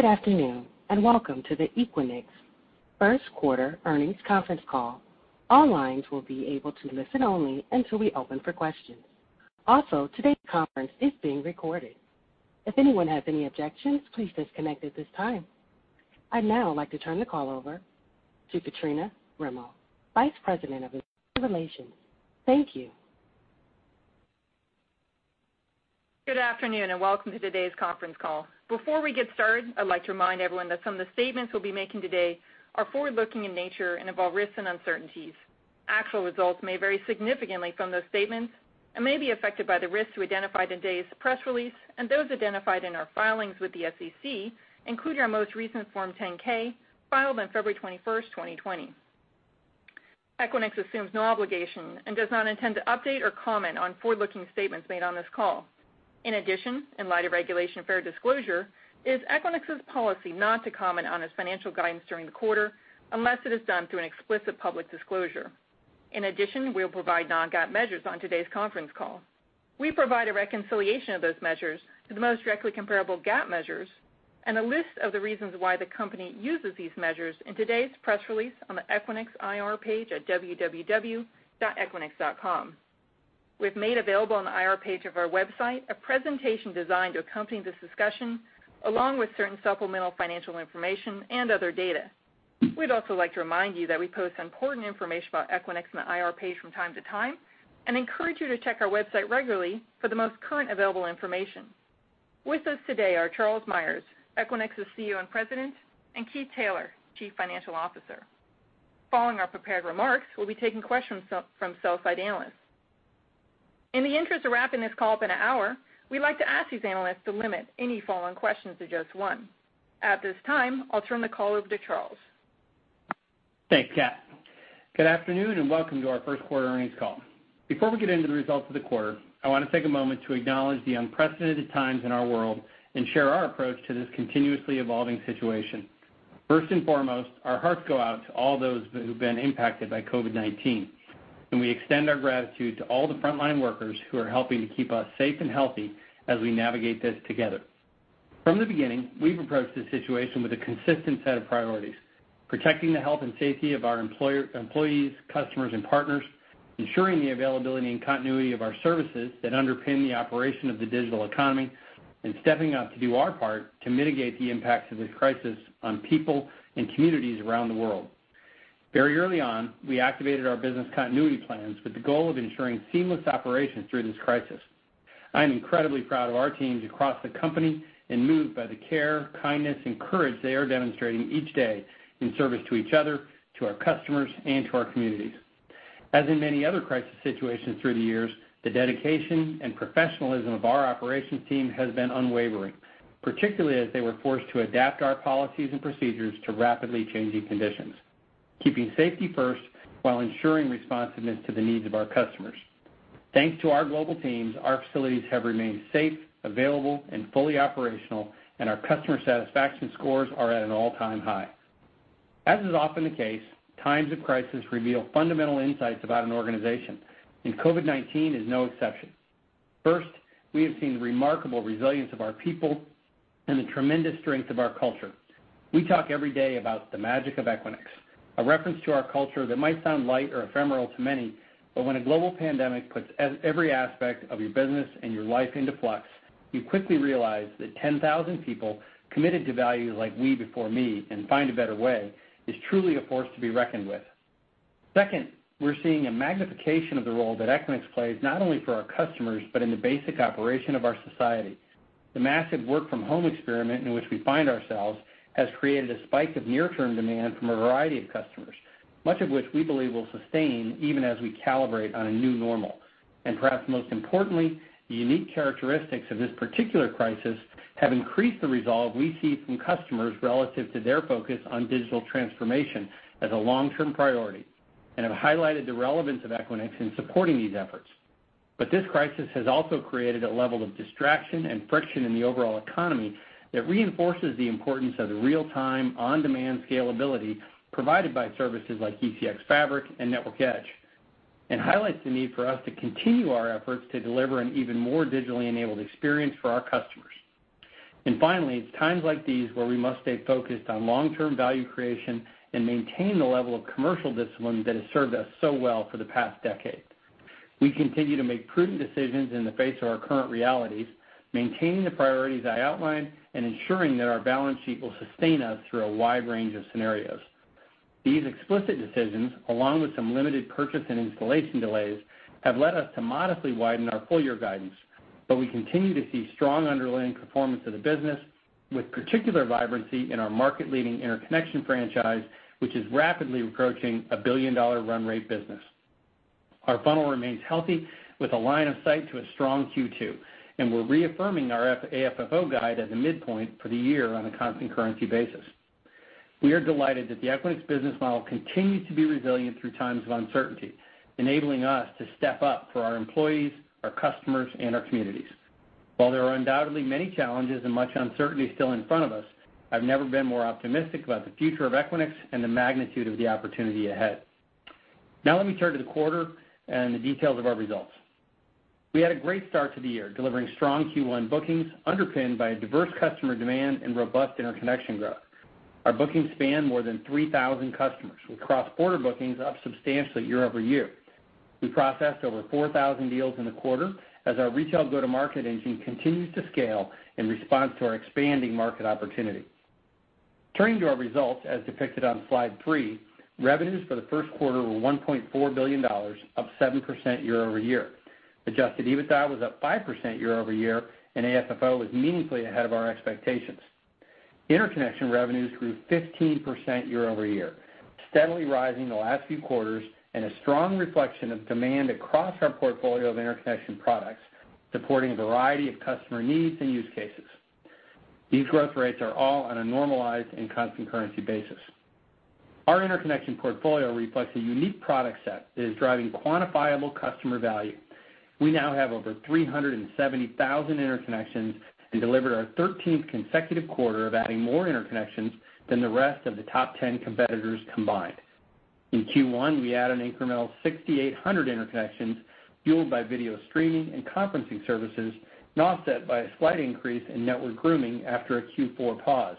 Good afternoon, and welcome to the Equinix first quarter earnings conference call. All lines will be able to listen only until we open for questions. Also, today's conference is being recorded. If anyone has any objections, please disconnect at this time. I'd now like to turn the call over to Katrina Rymill, Vice President of Investor Relations. Thank you. Good afternoon, welcome to today's conference call. Before we get started, I'd like to remind everyone that some of the statements we'll be making today are forward-looking in nature and involve risks and uncertainties. Actual results may vary significantly from those statements and may be affected by the risks we identified in today's press release and those identified in our filings with the SEC, including our most recent Form 10-K filed on February 21st, 2020. Equinix assumes no obligation and does not intend to update or comment on forward-looking statements made on this call. In light of Regulation Fair Disclosure, it is Equinix's policy not to comment on its financial guidance during the quarter unless it is done through an explicit public disclosure. We'll provide non-GAAP measures on today's conference call. We provide a reconciliation of those measures to the most directly comparable GAAP measures and a list of the reasons why the company uses these measures in today's press release on the Equinix IR page at www.equinix.com. We've made available on the IR page of our website a presentation designed to accompany this discussion, along with certain supplemental financial information and other data. We'd also like to remind you that we post important information about Equinix on the IR page from time to time and encourage you to check our website regularly for the most current available information. With us today are Charles Meyers, Equinix's CEO and President, and Keith Taylor, Chief Financial Officer. Following our prepared remarks, we'll be taking questions from sell-side analysts. In the interest of wrapping this call up in an hour, we'd like to ask these analysts to limit any follow-on questions to just one. At this time, I'll turn the call over to Charles. Thanks, Kat. Good afternoon, and welcome to our first quarter earnings call. Before we get into the results of the quarter, I want to take a moment to acknowledge the unprecedented times in our world and share our approach to this continuously evolving situation. First and foremost, our hearts go out to all those who've been impacted by COVID-19, and we extend our gratitude to all the frontline workers who are helping to keep us safe and healthy as we navigate this together. From the beginning, we've approached this situation with a consistent set of priorities: protecting the health and safety of our employees, customers, and partners, ensuring the availability and continuity of our services that underpin the operation of the digital economy, and stepping up to do our part to mitigate the impacts of this crisis on people and communities around the world. Very early on, we activated our business continuity plans with the goal of ensuring seamless operations through this crisis. I am incredibly proud of our teams across the company and moved by the care, kindness, and courage they are demonstrating each day in service to each other, to our customers, and to our communities. As in many other crisis situations through the years, the dedication and professionalism of our operations team has been unwavering, particularly as they were forced to adapt our policies and procedures to rapidly changing conditions, keeping safety first while ensuring responsiveness to the needs of our customers. Thanks to our global teams, our facilities have remained safe, available, and fully operational, and our customer satisfaction scores are at an all-time high. As is often the case, times of crisis reveal fundamental insights about an organization, and COVID-19 is no exception. First, we have seen the remarkable resilience of our people and the tremendous strength of our culture. We talk every day about the magic of Equinix, a reference to our culture that might sound light or ephemeral to many, but when a global pandemic puts every aspect of your business and your life into flux, you quickly realize that 10,000 people committed to values like we before me and find a better way is truly a force to be reckoned with. Second, we're seeing a magnification of the role that Equinix plays not only for our customers, but in the basic operation of our society. The massive work-from-home experiment in which we find ourselves has created a spike of near-term demand from a variety of customers, much of which we believe will sustain even as we calibrate on a new normal. Perhaps most importantly, the unique characteristics of this particular crisis have increased the resolve we see from customers relative to their focus on digital transformation as a long-term priority and have highlighted the relevance of Equinix in supporting these efforts. This crisis has also created a level of distraction and friction in the overall economy that reinforces the importance of the real-time, on-demand scalability provided by services like ECX Fabric and Network Edge and highlights the need for us to continue our efforts to deliver an even more digitally enabled experience for our customers. Finally, it's times like these where we must stay focused on long-term value creation and maintain the level of commercial discipline that has served us so well for the past decade. We continue to make prudent decisions in the face of our current realities, maintaining the priorities I outlined, and ensuring that our balance sheet will sustain us through a wide range of scenarios. These explicit decisions, along with some limited purchase and installation delays, have led us to modestly widen our full-year guidance. We continue to see strong underlying performance of the business, with particular vibrancy in our market-leading interconnection franchise, which is rapidly approaching a billion-dollar run rate business. Our funnel remains healthy, with a line of sight to a strong Q2, and we're reaffirming our AFFO guide at the midpoint for the year on a constant currency basis. We are delighted that the Equinix business model continues to be resilient through times of uncertainty, enabling us to step up for our employees, our customers, and our communities. While there are undoubtedly many challenges and much uncertainty still in front of us, I've never been more optimistic about the future of Equinix and the magnitude of the opportunity ahead. Now let me turn to the quarter and the details of our results. We had a great start to the year, delivering strong Q1 bookings underpinned by a diverse customer demand and robust interconnection growth. Our bookings spanned more than 3,000 customers, with cross-border bookings up substantially year-over-year. We processed over 4,000 deals in the quarter as our retail go-to-market engine continues to scale in response to our expanding market opportunity. Turning to our results as depicted on slide three, revenues for the first quarter were $1.4 billion, up 7% year-over-year. Adjusted EBITDA was up 5% year-over-year, and AFFO was meaningfully ahead of our expectations. Interconnection revenues grew 15% year-over-year, steadily rising the last few quarters, and a strong reflection of demand across our portfolio of interconnection products, supporting a variety of customer needs and use cases. These growth rates are all on a normalized and constant currency basis. Our interconnection portfolio reflects a unique product set that is driving quantifiable customer value. We now have over 370,000 interconnections and delivered our 13th consecutive quarter of adding more interconnections than the rest of the top 10 competitors combined. In Q1, we added an incremental 6,800 interconnections fueled by video streaming and conferencing services. Offset by a slight increase in network grooming after a Q4 pause,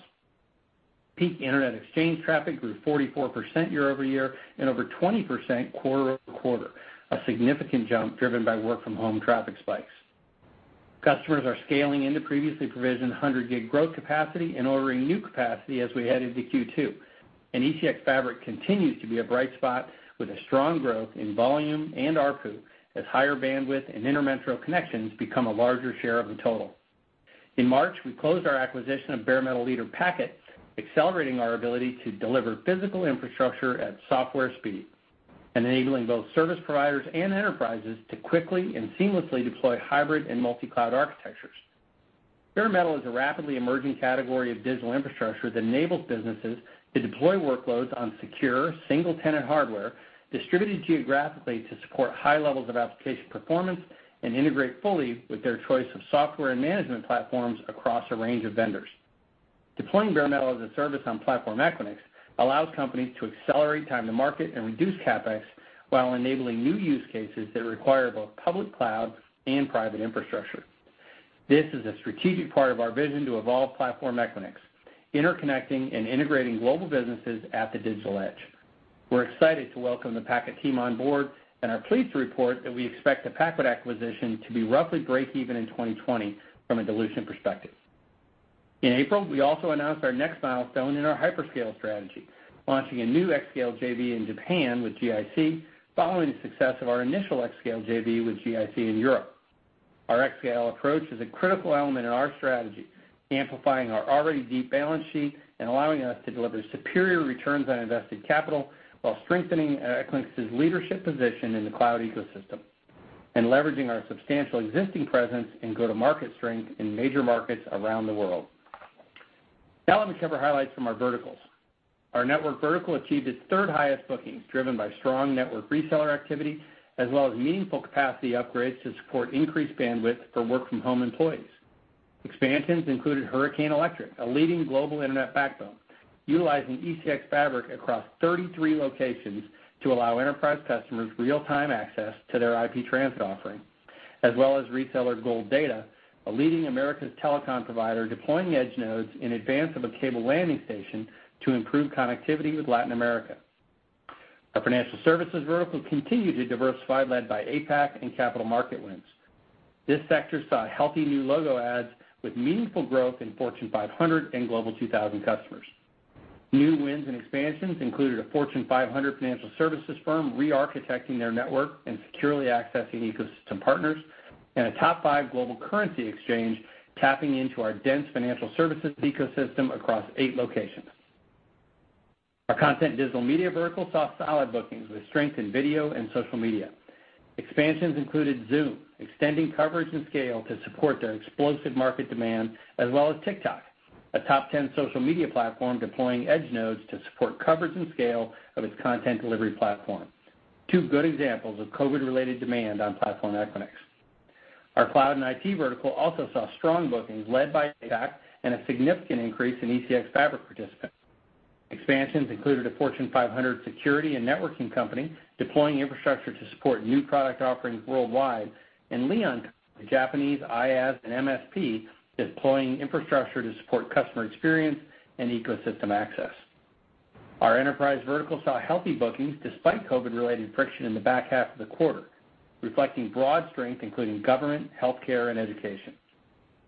peak Internet exchange traffic grew 44% year-over-year and over 20% quarter-over-quarter, a significant jump driven by work from home traffic spikes. Customers are scaling into previously provisioned 100-gig growth capacity and ordering new capacity as we head into Q2. ECX Fabric continues to be a bright spot with a strong growth in volume and ARPU as higher bandwidth and inter-metro connections become a larger share of the total. In March, we closed our acquisition of bare metal leader Packet, accelerating our ability to deliver physical infrastructure at software speed, enabling both service providers and enterprises to quickly and seamlessly deploy hybrid and multi-cloud architectures. Bare metal is a rapidly emerging category of digital infrastructure that enables businesses to deploy workloads on secure, single-tenant hardware distributed geographically to support high levels of application performance and integrate fully with their choice of software and management platforms across a range of vendors. Deploying bare metal as a service on Platform Equinix allows companies to accelerate time to market and reduce CapEx while enabling new use cases that require both public cloud and private infrastructure. This is a strategic part of our vision to evolve Platform Equinix, interconnecting and integrating global businesses at the digital edge. We're excited to welcome the Packet team on board and are pleased to report that we expect the Packet acquisition to be roughly breakeven in 2020 from a dilution perspective. In April, we also announced our next milestone in our hyperscale strategy, launching a new xScale JV in Japan with GIC following the success of our initial xScale JV with GIC in Europe. Our xScale approach is a critical element in our strategy, amplifying our already deep balance sheet and allowing us to deliver superior returns on invested capital while strengthening Equinix's leadership position in the cloud ecosystem and leveraging our substantial existing presence and go-to-market strength in major markets around the world. Let me cover highlights from our verticals. Our network vertical achieved its third highest bookings, driven by strong network reseller activity as well as meaningful capacity upgrades to support increased bandwidth for work from home employees. Expansions included Hurricane Electric, a leading global internet backbone, utilizing ECX Fabric across 33 locations to allow enterprise customers real-time access to their IP transit offering, as well as Reseller's Gold Data, a leading Americas telecom provider deploying edge nodes in advance of a cable landing station to improve connectivity with Latin America. Our financial services vertical continued to diversify, led by APAC and capital market wins. This sector saw healthy new logo adds with meaningful growth in Fortune 500 and Global 2000 customers. New wins and expansions included a Fortune 500 financial services firm re-architecting their network and securely accessing ecosystem partners, and a top five global currency exchange tapping into our dense financial services ecosystem across eight locations. Our content digital media vertical saw solid bookings with strength in video and social media. Expansions included Zoom, extending coverage and scale to support their explosive market demand, as well as TikTok, a top 10 social media platform deploying edge nodes to support coverage and scale of its content delivery platform. Two good examples of COVID-related demand on Platform Equinix. Our cloud and IT vertical also saw strong bookings led by and a significant increase in ECX Fabric participants. Expansions included a Fortune 500 security and networking company deploying infrastructure to support new product offerings worldwide, and LEON, a Japanese IaaS and MSP, deploying infrastructure to support customer experience and ecosystem access. Our enterprise vertical saw healthy bookings despite COVID-related friction in the back half of the quarter, reflecting broad strength including government, healthcare, and education.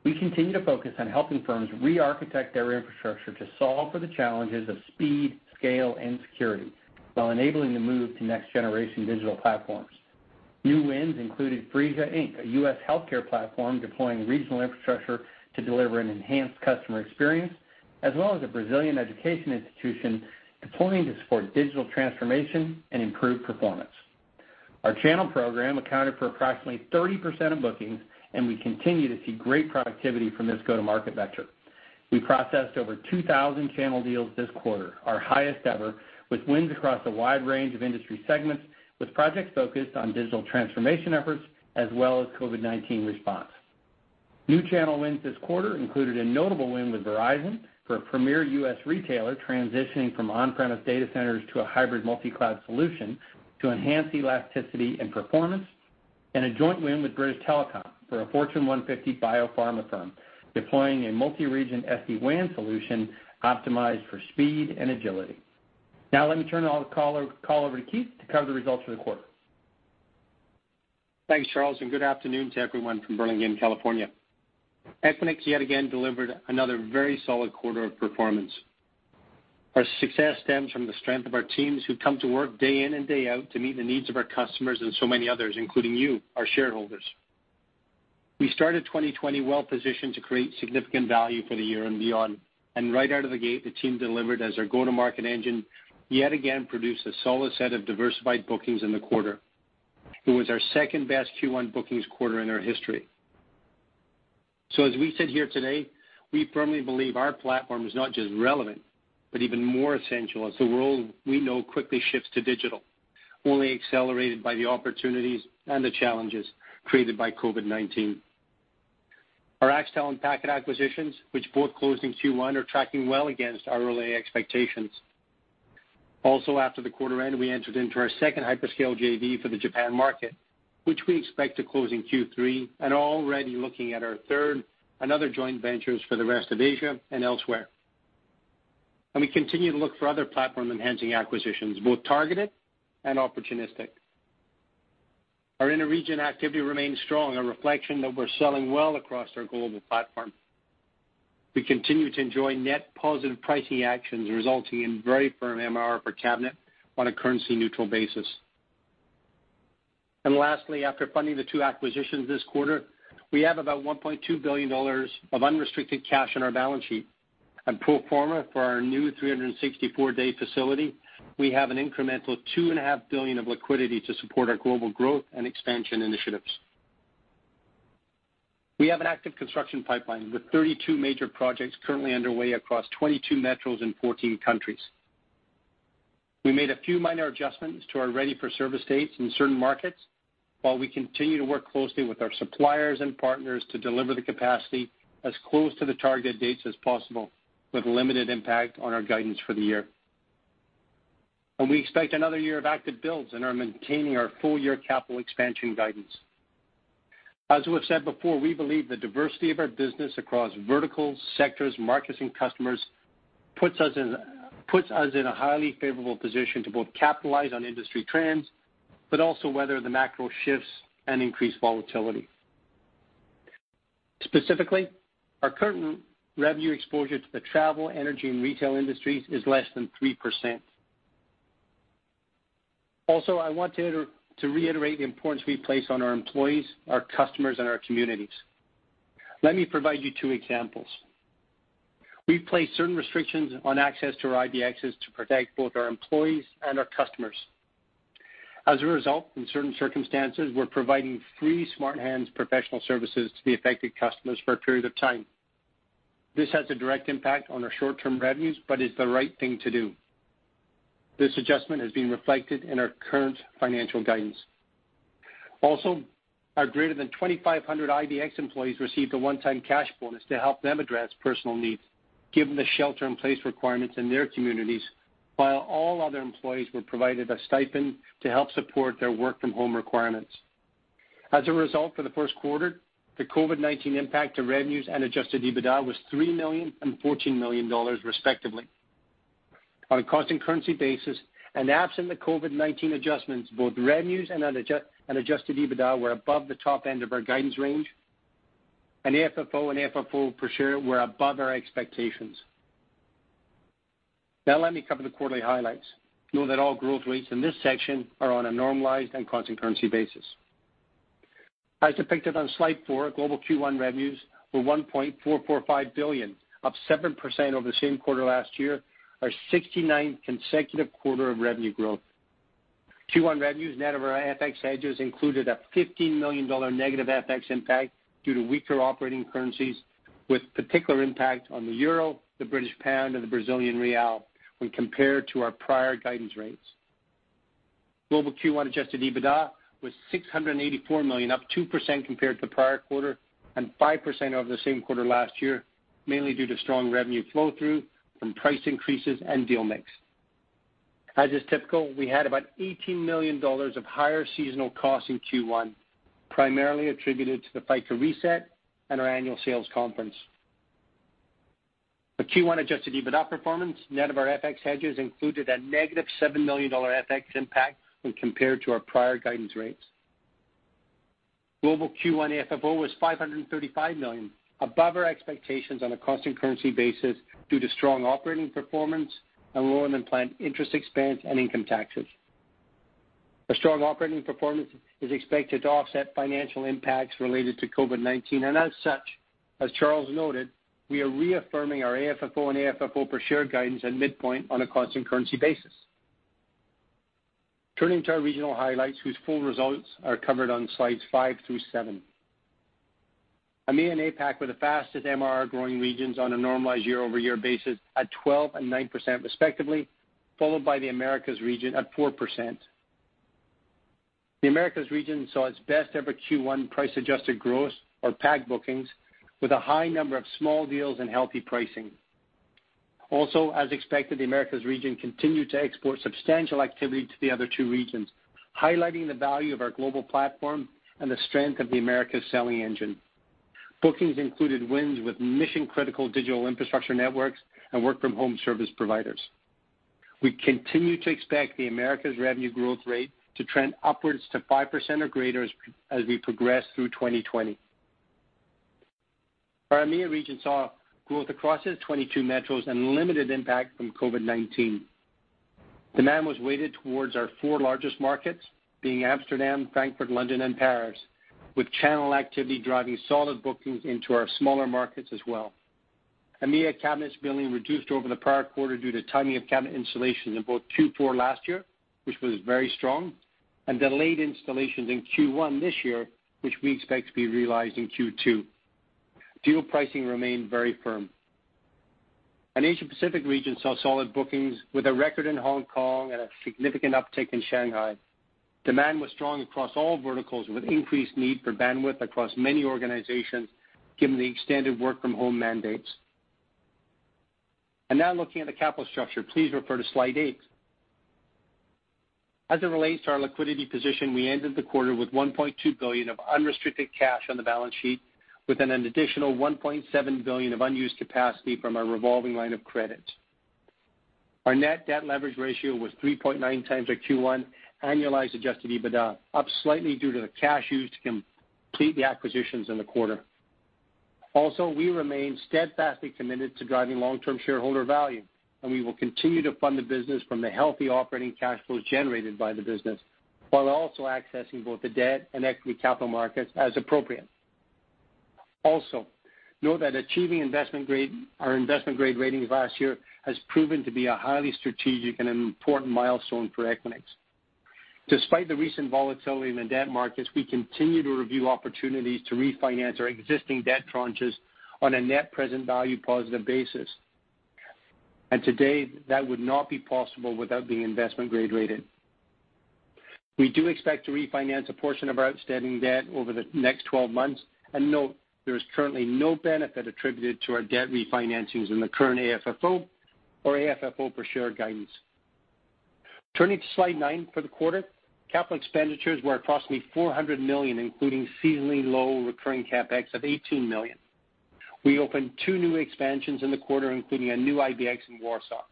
We continue to focus on helping firms re-architect their infrastructure to solve for the challenges of speed, scale, and security while enabling the move to next-generation digital platforms. New wins included Phreesia, Inc., a U.S. healthcare platform deploying regional infrastructure to deliver an enhanced customer experience, as well as a Brazilian education institution deploying to support digital transformation and improve performance. Our channel program accounted for approximately 30% of bookings, and we continue to see great productivity from this go-to-market vector. We processed over 2,000 channel deals this quarter, our highest ever, with wins across a wide range of industry segments, with projects focused on digital transformation efforts, as well as COVID-19 response. New channel wins this quarter included a notable win with Verizon for a premier U.S. retailer transitioning from on-premise data centers to a hybrid multi-cloud solution to enhance elasticity and performance, and a joint win with British Telecom for a Fortune 150 biopharma firm, deploying a multi-region SD-WAN solution optimized for speed and agility. Now let me turn the call over to Keith to cover the results for the quarter. Thanks, Charles, good afternoon to everyone from Burlingame, California. Equinix yet again delivered another very solid quarter of performance. Our success stems from the strength of our teams who come to work day in and day out to meet the needs of our customers and so many others, including you, our shareholders. We started 2020 well-positioned to create significant value for the year and beyond, right out of the gate, the team delivered as our go-to-market engine yet again produced a solid set of diversified bookings in the quarter. It was our second-best Q1 bookings quarter in our history. As we sit here today, we firmly believe our platform is not just relevant, but even more essential as the world we know quickly shifts to digital, only accelerated by the opportunities and the challenges created by COVID-19. Our Axtel and Packet acquisitions, which both closed in Q1, are tracking well against our early expectations. After the quarter ended, we entered into our second hyperscale JV for the Japan market, which we expect to close in Q3, already looking at our third and other joint ventures for the rest of Asia and elsewhere. We continue to look for other platform-enhancing acquisitions, both targeted and opportunistic. Our inter-region activity remains strong, a reflection that we're selling well across our global platform. We continue to enjoy net positive pricing actions resulting in very firm MRR per cabinet on a currency-neutral basis. Lastly, after funding the two acquisitions this quarter, we have about $1.2 billion of unrestricted cash on our balance sheet. Pro forma for our new 364-day facility, we have an incremental $2.5 billion of liquidity to support our global growth and expansion initiatives. We have an active construction pipeline with 32 major projects currently underway across 22 metros in 14 countries. We made a few minor adjustments to our ready-for-service dates in certain markets, while we continue to work closely with our suppliers and partners to deliver the capacity as close to the target dates as possible with limited impact on our guidance for the year. We expect another year of active builds and are maintaining our full-year capital expansion guidance. As we have said before, we believe the diversity of our business across verticals, sectors, markets, and customers puts us in a highly favorable position to both capitalize on industry trends, but also weather the macro shifts and increased volatility. Specifically, our current revenue exposure to the travel, energy, and retail industries is less than 3%. I want to reiterate the importance we place on our employees, our customers, and our communities. Let me provide you two examples. We've placed certain restrictions on access to our IBXs to protect both our employees and our customers. As a result, in certain circumstances, we're providing free Smart Hands professional services to the affected customers for a period of time. This has a direct impact on our short-term revenues, but is the right thing to do. This adjustment has been reflected in our current financial guidance. Our greater than 2,500 IBX employees received a one-time cash bonus to help them address personal needs, given the shelter-in-place requirements in their communities, while all other employees were provided a stipend to help support their work-from-home requirements. As a result for the first quarter, the COVID-19 impact to revenues and adjusted EBITDA was $3 million and $14 million, respectively. On a constant currency basis, and absent the COVID-19 adjustments, both revenues and adjusted EBITDA were above the top end of our guidance range, and AFFO and AFFO per share were above our expectations. Now let me cover the quarterly highlights. Know that all growth rates in this section are on a normalized and constant currency basis. As depicted on slide four, global Q1 revenues were $1.445 billion, up 7% over the same quarter last year, our 69th consecutive quarter of revenue growth. Q1 revenues net of our FX hedges included a $15 million negative FX impact due to weaker operating currencies, with particular impact on the euro, the British pound, and the Brazilian real when compared to our prior guidance rates. Global Q1 adjusted EBITDA was $684 million, up 2% compared to the prior quarter and 5% over the same quarter last year, mainly due to strong revenue flow-through from price increases and deal mix. As is typical, we had about $18 million of higher seasonal costs in Q1, primarily attributed to the FICA reset and our annual sales conference. The Q1 adjusted EBITDA performance net of our FX hedges included a -$7 million FX impact when compared to our prior guidance rates. Global Q1 AFFO was $535 million, above our expectations on a constant currency basis due to strong operating performance and lower-than-planned interest expense and income taxes. A strong operating performance is expected to offset financial impacts related to COVID-19. As such, as Charles noted, we are reaffirming our AFFO and AFFO per share guidance at midpoint on a constant currency basis. Turning to our regional highlights, whose full results are covered on slides five through seven. EMEA and APAC were the fastest MRR growing regions on a normalized year-over-year basis, at 12% and 9% respectively, followed by the Americas region at 4%. The Americas region saw its best ever Q1 price adjusted growth or PAC bookings, with a high number of small deals and healthy pricing. As expected, the Americas region continued to export substantial activity to the other two regions, highlighting the value of our global platform and the strength of the Americas selling engine. Bookings included wins with mission-critical digital infrastructure networks and work-from-home service providers. We continue to expect the Americas revenue growth rate to trend upwards to 5% or greater as we progress through 2020. Our EMEA region saw growth across its 22 metros and limited impact from COVID-19. Demand was weighted towards our four largest markets, being Amsterdam, Frankfurt, London and Paris, with channel activity driving solid bookings into our smaller markets as well. EMEA cabinets billing reduced over the prior quarter due to timing of cabinet installations in both Q4 last year, which was very strong, and delayed installations in Q1 this year, which we expect to be realized in Q2. Deal pricing remained very firm. Asia Pacific region saw solid bookings with a record in Hong Kong and a significant uptick in Shanghai. Demand was strong across all verticals, with increased need for bandwidth across many organizations given the extended work-from-home mandates. Now looking at the capital structure, please refer to slide eight. As it relates to our liquidity position, we ended the quarter with $1.2 billion of unrestricted cash on the balance sheet, with an additional $1.7 billion of unused capacity from our revolving line of credit. Our net debt leverage ratio was 3.9x our Q1 annualized adjusted EBITDA, up slightly due to the cash used to complete the acquisitions in the quarter. We remain steadfastly committed to driving long-term shareholder value, and we will continue to fund the business from the healthy operating cash flows generated by the business, while also accessing both the debt and equity capital markets as appropriate. Note that achieving our investment-grade ratings last year has proven to be a highly strategic and important milestone for Equinix. Despite the recent volatility in the debt markets, we continue to review opportunities to refinance our existing debt tranches on a net present value positive basis. To date, that would not be possible without being investment-grade rated. We do expect to refinance a portion of our outstanding debt over the next 12 months. Note, there is currently no benefit attributed to our debt refinancings in the current AFFO or AFFO per share guidance. Turning to slide nine for the quarter. Capital expenditures were approximately $400 million, including seasonally low recurring CapEx of $18 million. We opened two new expansions in the quarter, including a new IBX in Warsaw.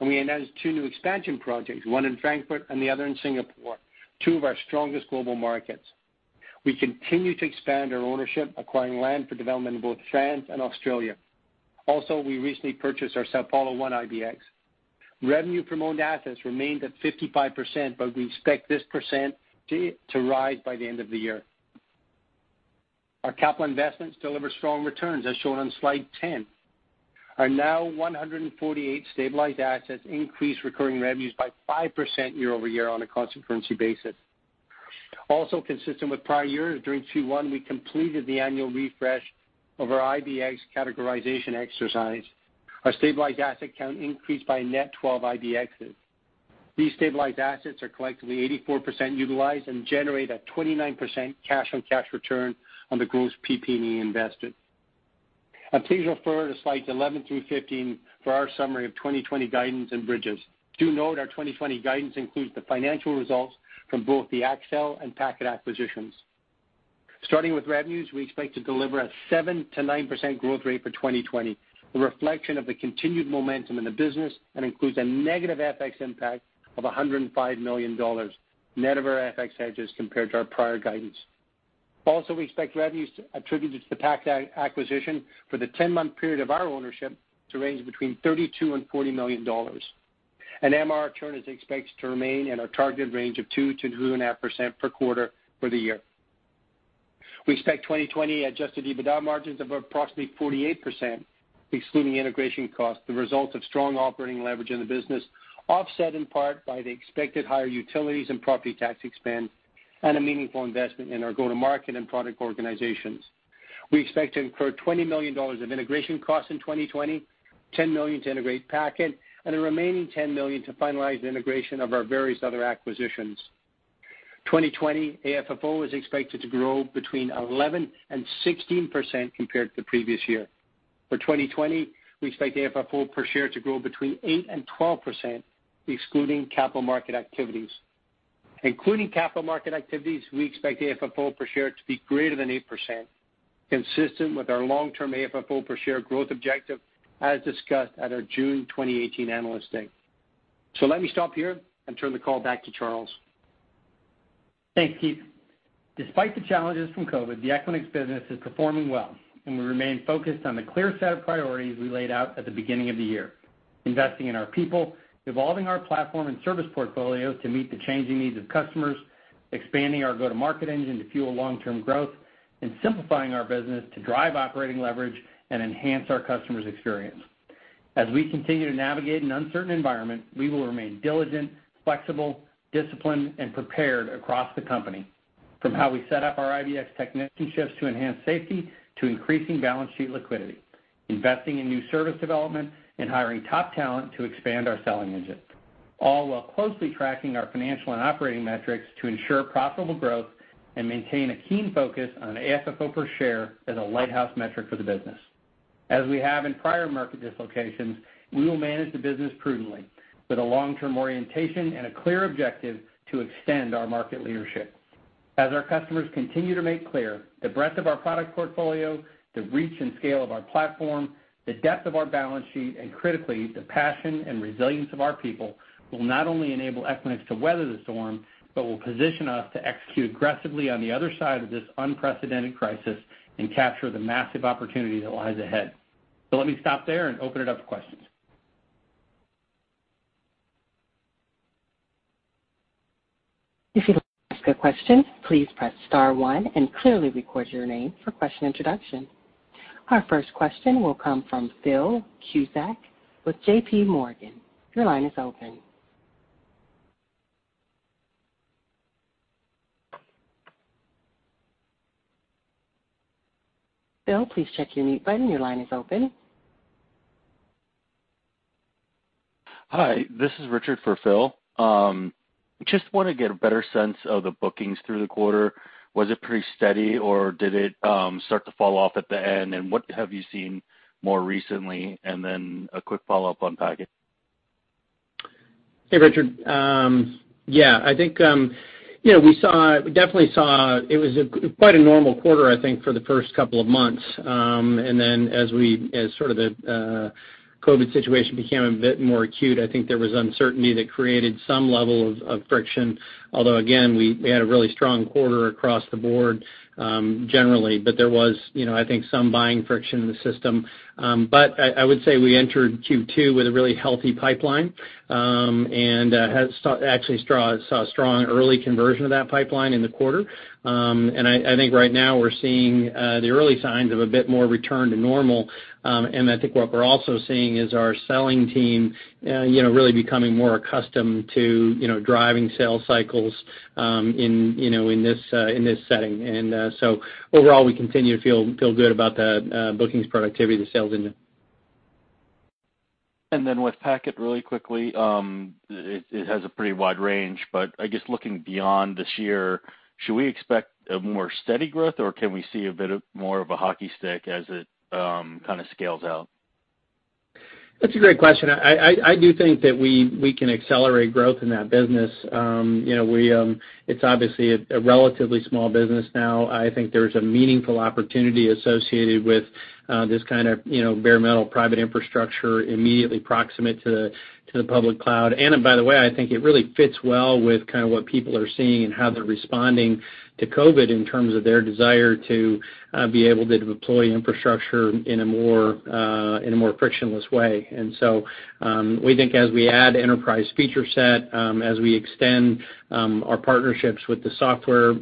We announced two new expansion projects, one in Frankfurt and the other in Singapore, two of our strongest global markets. We continue to expand our ownership, acquiring land for development in both France and Australia. We recently purchased our São Paulo One IBX. Revenue from owned assets remained at 55%, but we expect this percent to rise by the end of the year. Our capital investments deliver strong returns, as shown on slide 10. Our now 148 stabilized assets increase recurring revenues by 5% year-over-year on a constant currency basis. Consistent with prior years, during Q1, we completed the annual refresh of our IBX categorization exercise. Our stabilized asset count increased by a net 12 IBXs. These stabilized assets are collectively 84% utilized and generate a 29% cash on cash return on the gross PP&E invested. Please refer to slides 11 through 15 for our summary of 2020 guidance and bridges. Do note our 2020 guidance includes the financial results from both the Axtel and Packet acquisitions. Starting with revenues, we expect to deliver a 7%-9% growth rate for 2020, a reflection of the continued momentum in the business, and includes a negative FX impact of $105 million, net of our FX hedges, compared to our prior guidance. We expect revenues attributed to the Packet acquisition for the 10-month period of our ownership to range between $32 million-$40 million. MRR churn is expected to remain in our target range of 2%-2.5% per quarter for the year. We expect 2020 adjusted EBITDA margins of approximately 48%, excluding integration costs, the result of strong operating leverage in the business, offset in part by the expected higher utilities and property tax expense, and a meaningful investment in our go-to-market and product organizations. We expect to incur $20 million of integration costs in 2020, $10 million to integrate Packet, and the remaining $10 million to finalize the integration of our various other acquisitions. 2020 AFFO is expected to grow between 11% and 16% compared to the previous year. For 2020, we expect AFFO per share to grow between 8% and 12%, excluding capital market activities. Including capital market activities, we expect AFFO per share to be greater than 8%, consistent with our long-term AFFO per share growth objective as discussed at our June 2018 Analyst Day. Let me stop here and turn the call back to Charles. Thanks, Keith. Despite the challenges from COVID, the Equinix business is performing well, and we remain focused on the clear set of priorities we laid out at the beginning of the year. Investing in our people, evolving our platform and service portfolio to meet the changing needs of customers, expanding our go-to-market engine to fuel long-term growth, and simplifying our business to drive operating leverage and enhance our customers' experience. As we continue to navigate an uncertain environment, we will remain diligent, flexible, disciplined, and prepared across the company. From how we set up our IBX technician shifts to enhance safety, to increasing balance sheet liquidity, investing in new service development, and hiring top talent to expand our selling engine. All while closely tracking our financial and operating metrics to ensure profitable growth and maintain a keen focus on AFFO per share as a lighthouse metric for the business. As we have in prior market dislocations, we will manage the business prudently with a long-term orientation and a clear objective to extend our market leadership. As our customers continue to make clear, the breadth of our product portfolio, the reach and scale of our platform, the depth of our balance sheet, and critically, the passion and resilience of our people, will not only enable Equinix to weather the storm, but will position us to execute aggressively on the other side of this unprecedented crisis and capture the massive opportunity that lies ahead. Let me stop there and open it up to questions. If you'd like to ask a question, please press star one and clearly record your name for question introduction. Our first question will come from Phil Cusick with JPMorgan. Your line is open. Phil, please check your mute button. Your line is open. Hi, this is Richard for Phil. I just want to get a better sense of the bookings through the quarter. Was it pretty steady, or did it start to fall off at the end? What have you seen more recently? A quick follow-up on Packet. Hey, Richard. I think we definitely saw it was quite a normal quarter, I think, for the first couple of months. As the COVID situation became a bit more acute, I think there was uncertainty that created some level of friction. Again, we had a really strong quarter across the board generally. There was I think some buying friction in the system. I would say we entered Q2 with a really healthy pipeline, and actually saw a strong early conversion of that pipeline in the quarter. I think right now we're seeing the early signs of a bit more return to normal. I think what we're also seeing is our selling team really becoming more accustomed to driving sales cycles in this setting. Overall, we continue to feel good about the bookings productivity of the sales engine. With Packet really quickly. It has a pretty wide range, but I guess looking beyond this year, should we expect a more steady growth, or can we see a bit of more of a hockey stick as it kind of scales out? That's a great question. I do think that we can accelerate growth in that business. It's obviously a relatively small business now. I think there's a meaningful opportunity associated with this kind of bare metal private infrastructure immediately proximate to the public cloud. By the way, I think it really fits well with what people are seeing and how they're responding to COVID in terms of their desire to be able to deploy infrastructure in a more frictionless way. We think as we add enterprise feature set, as we extend our partnerships with the software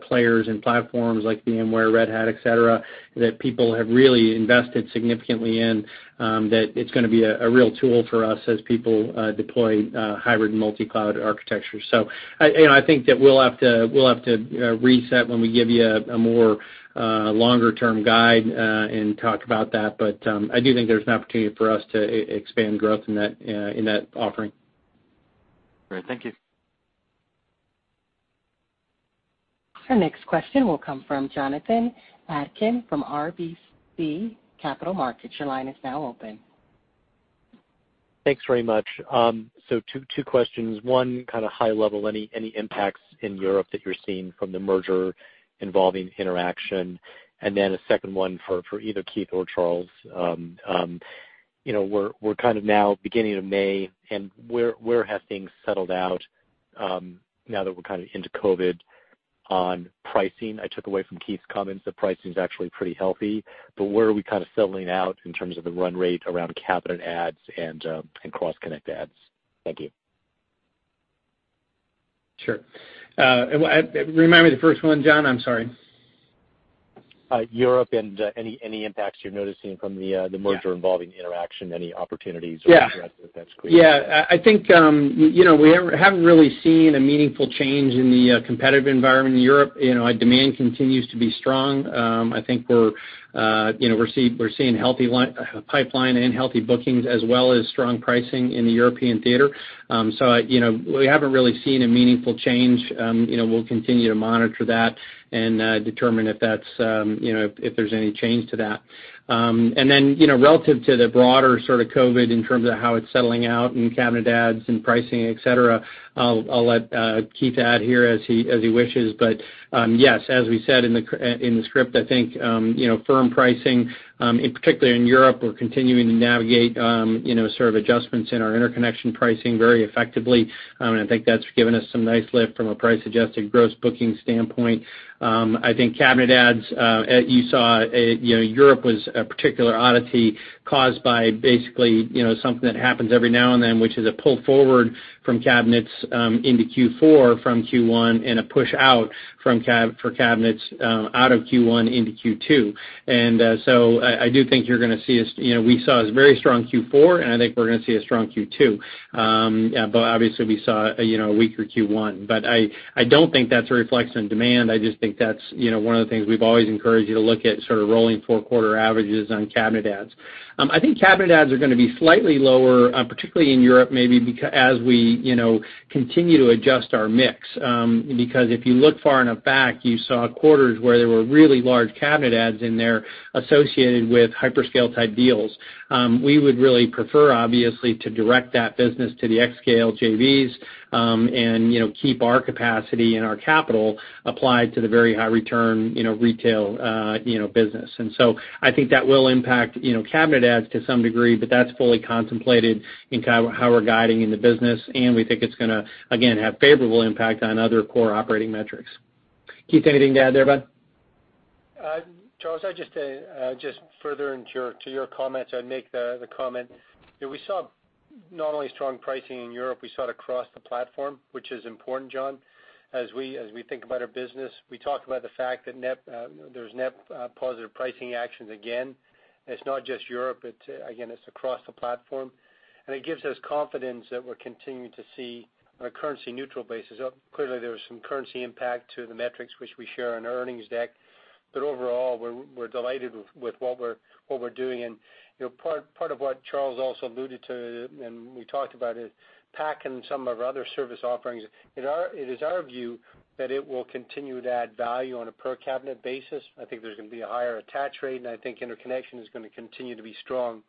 players and platforms like VMware, Red Hat, et cetera, that people have really invested significantly in, that it's going to be a real tool for us as people deploy hybrid multi-cloud architecture. I think that we'll have to reset when we give you a more longer-term guide and talk about that. I do think there's an opportunity for us to expand growth in that offering. Great. Thank you. Our next question will come from Jonathan Atkin from RBC Capital Markets. Your line is now open. Thanks very much. Two questions. One, kind of high level, any impacts in Europe that you're seeing from the merger involving interaction? Then a second one for either Keith or Charles. We're kind of now beginning of May, and where have things settled out, now that we're kind of into COVID, on pricing? I took away from Keith's comments that pricing's actually pretty healthy. Where are we kind of settling out in terms of the run rate around cabinet adds and cross-connect adds? Thank you. Sure. Remind me the first one, Jon. I'm sorry. Europe and any impacts you're noticing from the merger involving interaction, any opportunities or threats, if that's clear? Yeah. I think we haven't really seen a meaningful change in the competitive environment in Europe. Demand continues to be strong. I think we're seeing healthy pipeline and healthy bookings as well as strong pricing in the European theater. We haven't really seen a meaningful change. We'll continue to monitor that and determine if there's any change to that. Relative to the broader sort of COVID in terms of how it's settling out in cabinet adds and pricing, et cetera, I'll let Keith add here as he wishes. Yes, as we said in the script, I think firm pricing, particularly in Europe, we're continuing to navigate adjustments in our interconnection pricing very effectively. I think that's given us some nice lift from a price adjusted gross booking standpoint. I think cabinet adds, as you saw, Europe was a particular oddity caused by basically something that happens every now and then, which is a pull forward from cabinets into Q4 from Q1 and a push out for cabinets out of Q1 into Q2. I do think you're going to see, we saw a very strong Q4, and I think we're going to see a strong Q2. Obviously we saw a weaker Q1. I don't think that's a reflection of demand. I just think that's one of the things we've always encouraged you to look at sort of rolling four quarter averages on cabinet adds. I think cabinet adds are going to be slightly lower, particularly in Europe maybe, as we continue to adjust our mix. If you look far enough back, you saw quarters where there were really large cabinet adds in there associated with hyperscale-type deals. We would really prefer, obviously, to direct that business to the xScale JVs, and keep our capacity and our capital applied to the very high return retail business. I think that will impact cabinet adds to some degree, but that's fully contemplated in how we're guiding in the business, and we think it's going to, again, have favorable impact on other core operating metrics. Keith, anything to add there, bud? Charles, I just further to your comments, I'd make the comment that we saw not only strong pricing in Europe, we saw it across the platform, which is important, Jon. As we think about our business, we talked about the fact that there's net positive pricing actions, again. It's not just Europe, but again, it's across the platform. It gives us confidence that we're continuing to see on a currency neutral basis. Clearly, there was some currency impact to the metrics which we share on the earnings deck, but overall, we're delighted with what we're doing. Part of what Charles also alluded to, and we talked about is Packet and some of our other service offerings. It is our view that it will continue to add value on a per cabinet basis. I think there's going to be a higher attach rate, and I think interconnection is going to continue to be strong.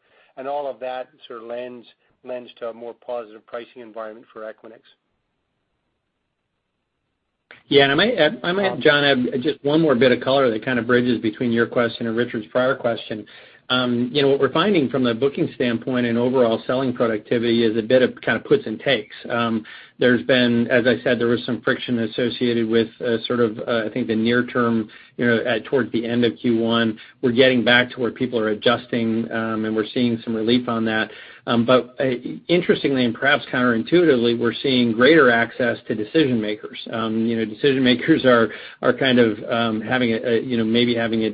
All of that sort of lends to a more positive pricing environment for Equinix. Yeah. I might, Jon, add just one more bit of color that kind of bridges between your question and Richard's prior question. What we're finding from the booking standpoint and overall selling productivity is a bit of kind of puts and takes. There's been, as I said, there was some friction associated with sort of, I think the near term towards the end of Q1. We're getting back to where people are adjusting, and we're seeing some relief on that. Interestingly, and perhaps counterintuitively, we're seeing greater access to decision makers. Decision makers are kind of maybe having a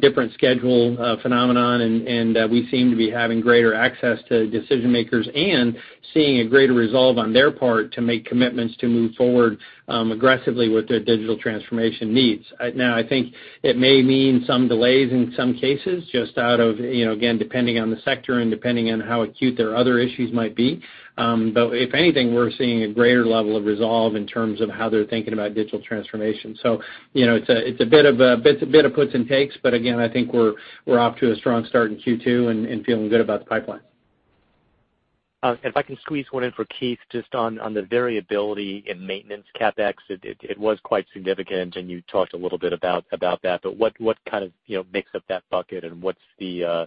different schedule phenomenon, and we seem to be having greater access to decision makers and seeing a greater resolve on their part to make commitments to move forward aggressively with their digital transformation needs. I think it may mean some delays in some cases, just out of, again, depending on the sector and depending on how acute their other issues might be. If anything, we're seeing a greater level of resolve in terms of how they're thinking about digital transformation. It's a bit of puts and takes, but again, I think we're off to a strong start in Q2 and feeling good about the pipeline. If I can squeeze one in for Keith, just on the variability in maintenance CapEx. It was quite significant and you talked a little bit about that, but what kind of makes up that bucket and what's the,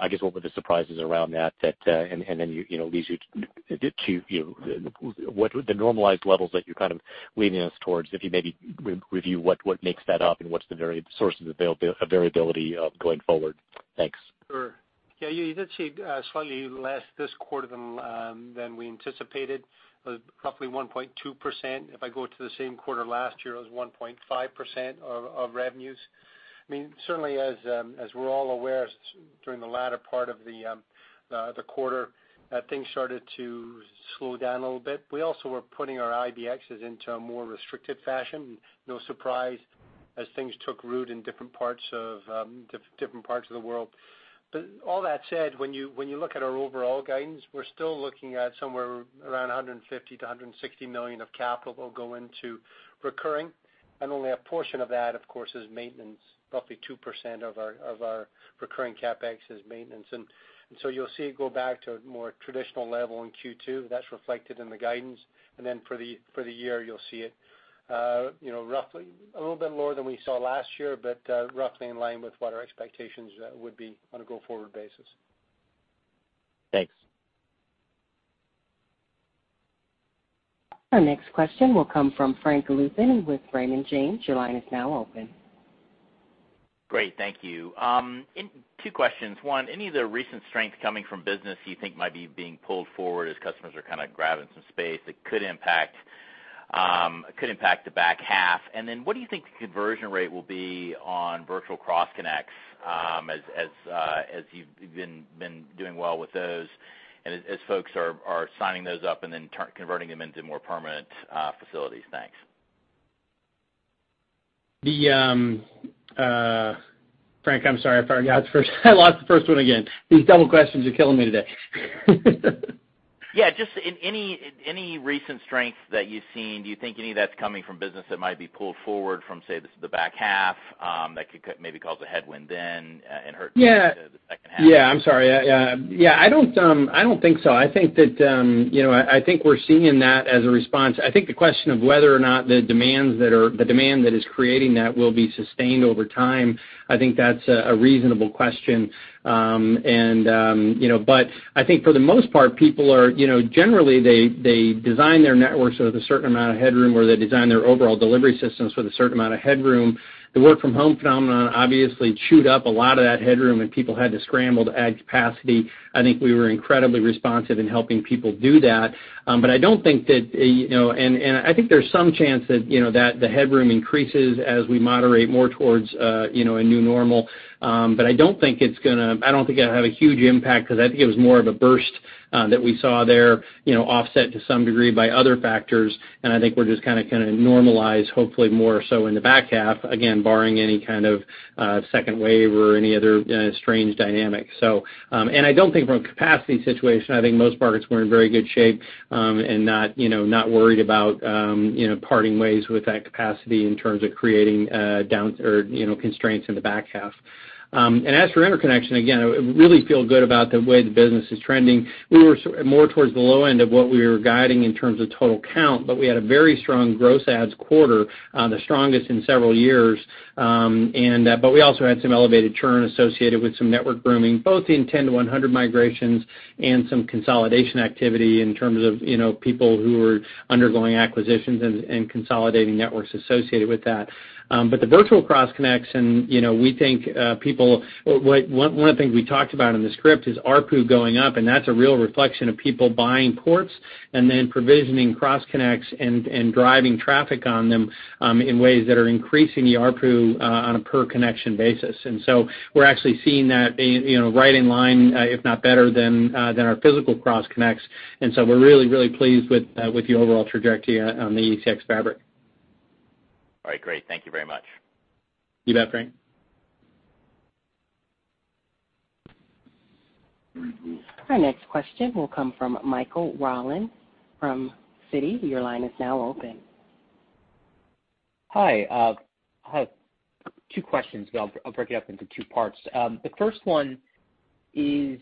I guess, what were the surprises around that? Leads you to the normalized levels that you're kind of leaning us towards, if you maybe review what makes that up and what's the sources of variability going forward. Thanks. Sure. Yeah, you did see slightly less this quarter than we anticipated, roughly 1.2%. If I go to the same quarter last year, it was 1.5% of revenues. Certainly as we're all aware, during the latter part of the quarter, things started to slow down a little bit. We also were putting our IBXs into a more restricted fashion, no surprise, as things took root in different parts of the world. All that said, when you look at our overall guidance, we're still looking at somewhere around $150 million-$160 million of capital will go into recurring. Only a portion of that, of course, is maintenance. Roughly 2% of our recurring CapEx is maintenance. You'll see it go back to a more traditional level in Q2. That's reflected in the guidance. For the year, you'll see it roughly a little bit lower than we saw last year, but roughly in line with what our expectations would be on a go-forward basis. Thanks. Our next question will come from Frank Louthan with Raymond James. Your line is now open. Great. Thank you. Two questions. One, any of the recent strength coming from business you think might be being pulled forward as customers are kind of grabbing some space that could impact the back half? What do you think the conversion rate will be on virtual cross connects as you've been doing well with those and as folks are signing those up and then converting them into more permanent facilities? Thanks. Frank, I'm sorry. I lost the first one again. These double questions are killing me today. Yeah, just any recent strength that you've seen, do you think any of that's coming from business that might be pulled forward from, say, the back half that could maybe cause a headwind then and hurt Yeah. the second half? Yeah. I'm sorry. Yeah, I don't think so. I think we're seeing that as a response. I think the question of whether or not the demand that is creating that will be sustained over time, I think that's a reasonable question. I think for the most part, people are generally, they design their networks with a certain amount of headroom, or they design their overall delivery systems with a certain amount of headroom. The work from home phenomenon obviously chewed up a lot of that headroom, and people had to scramble to add capacity. I think we were incredibly responsive in helping people do that. I think there's some chance that the headroom increases as we moderate more towards a new normal. I don't think it'll have a huge impact because I think it was more of a burst that we saw there, offset to some degree by other factors. And I think we're just kind of going to normalize, hopefully, more so in the back half, again, barring any kind of second wave or any other strange dynamics. So, and I don't think from a capacity situation, I think most markets were in very good shape and not worried about parting ways with that capacity in terms of creating constraints in the back half. As for interconnection, again, I really feel good about the way the business is trending. We were more towards the low end of what we were guiding in terms of total count, but we had a very strong gross adds quarter, the strongest in several years. We also had some elevated churn associated with some network grooming, both in 10 to 100 migrations and some consolidation activity in terms of people who were undergoing acquisitions and consolidating networks associated with that. The virtual cross connects, and one of the things we talked about in the script is ARPU going up, and that's a real reflection of people buying ports and then provisioning cross connects and driving traffic on them in ways that are increasing the ARPU on a per connection basis. We're actually seeing that being right in line, if not better than our physical cross connects. We're really pleased with the overall trajectory on the ECX Fabric. All right, great. Thank you very much. You bet, Frank. Our next question will come from Michael Rollins from Citi. Your line is now open. Hi. I have two questions, but I'll break it up into two parts. The first one is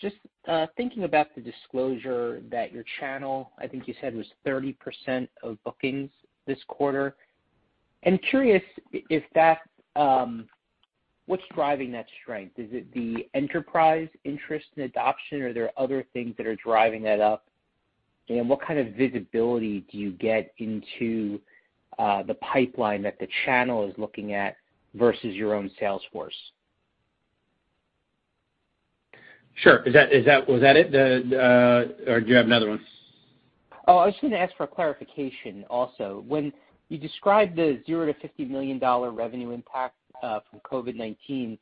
just thinking about the disclosure that your channel, I think you said, was 30% of bookings this quarter. I'm curious, what's driving that strength? Is it the enterprise interest and adoption, or are there other things that are driving that up? What kind of visibility do you get into the pipeline that the channel is looking at versus your own sales force? Sure. Was that it? Do you have another one? I was just going to ask for a clarification also. When you described the $0-$50 million revenue impact from COVID-19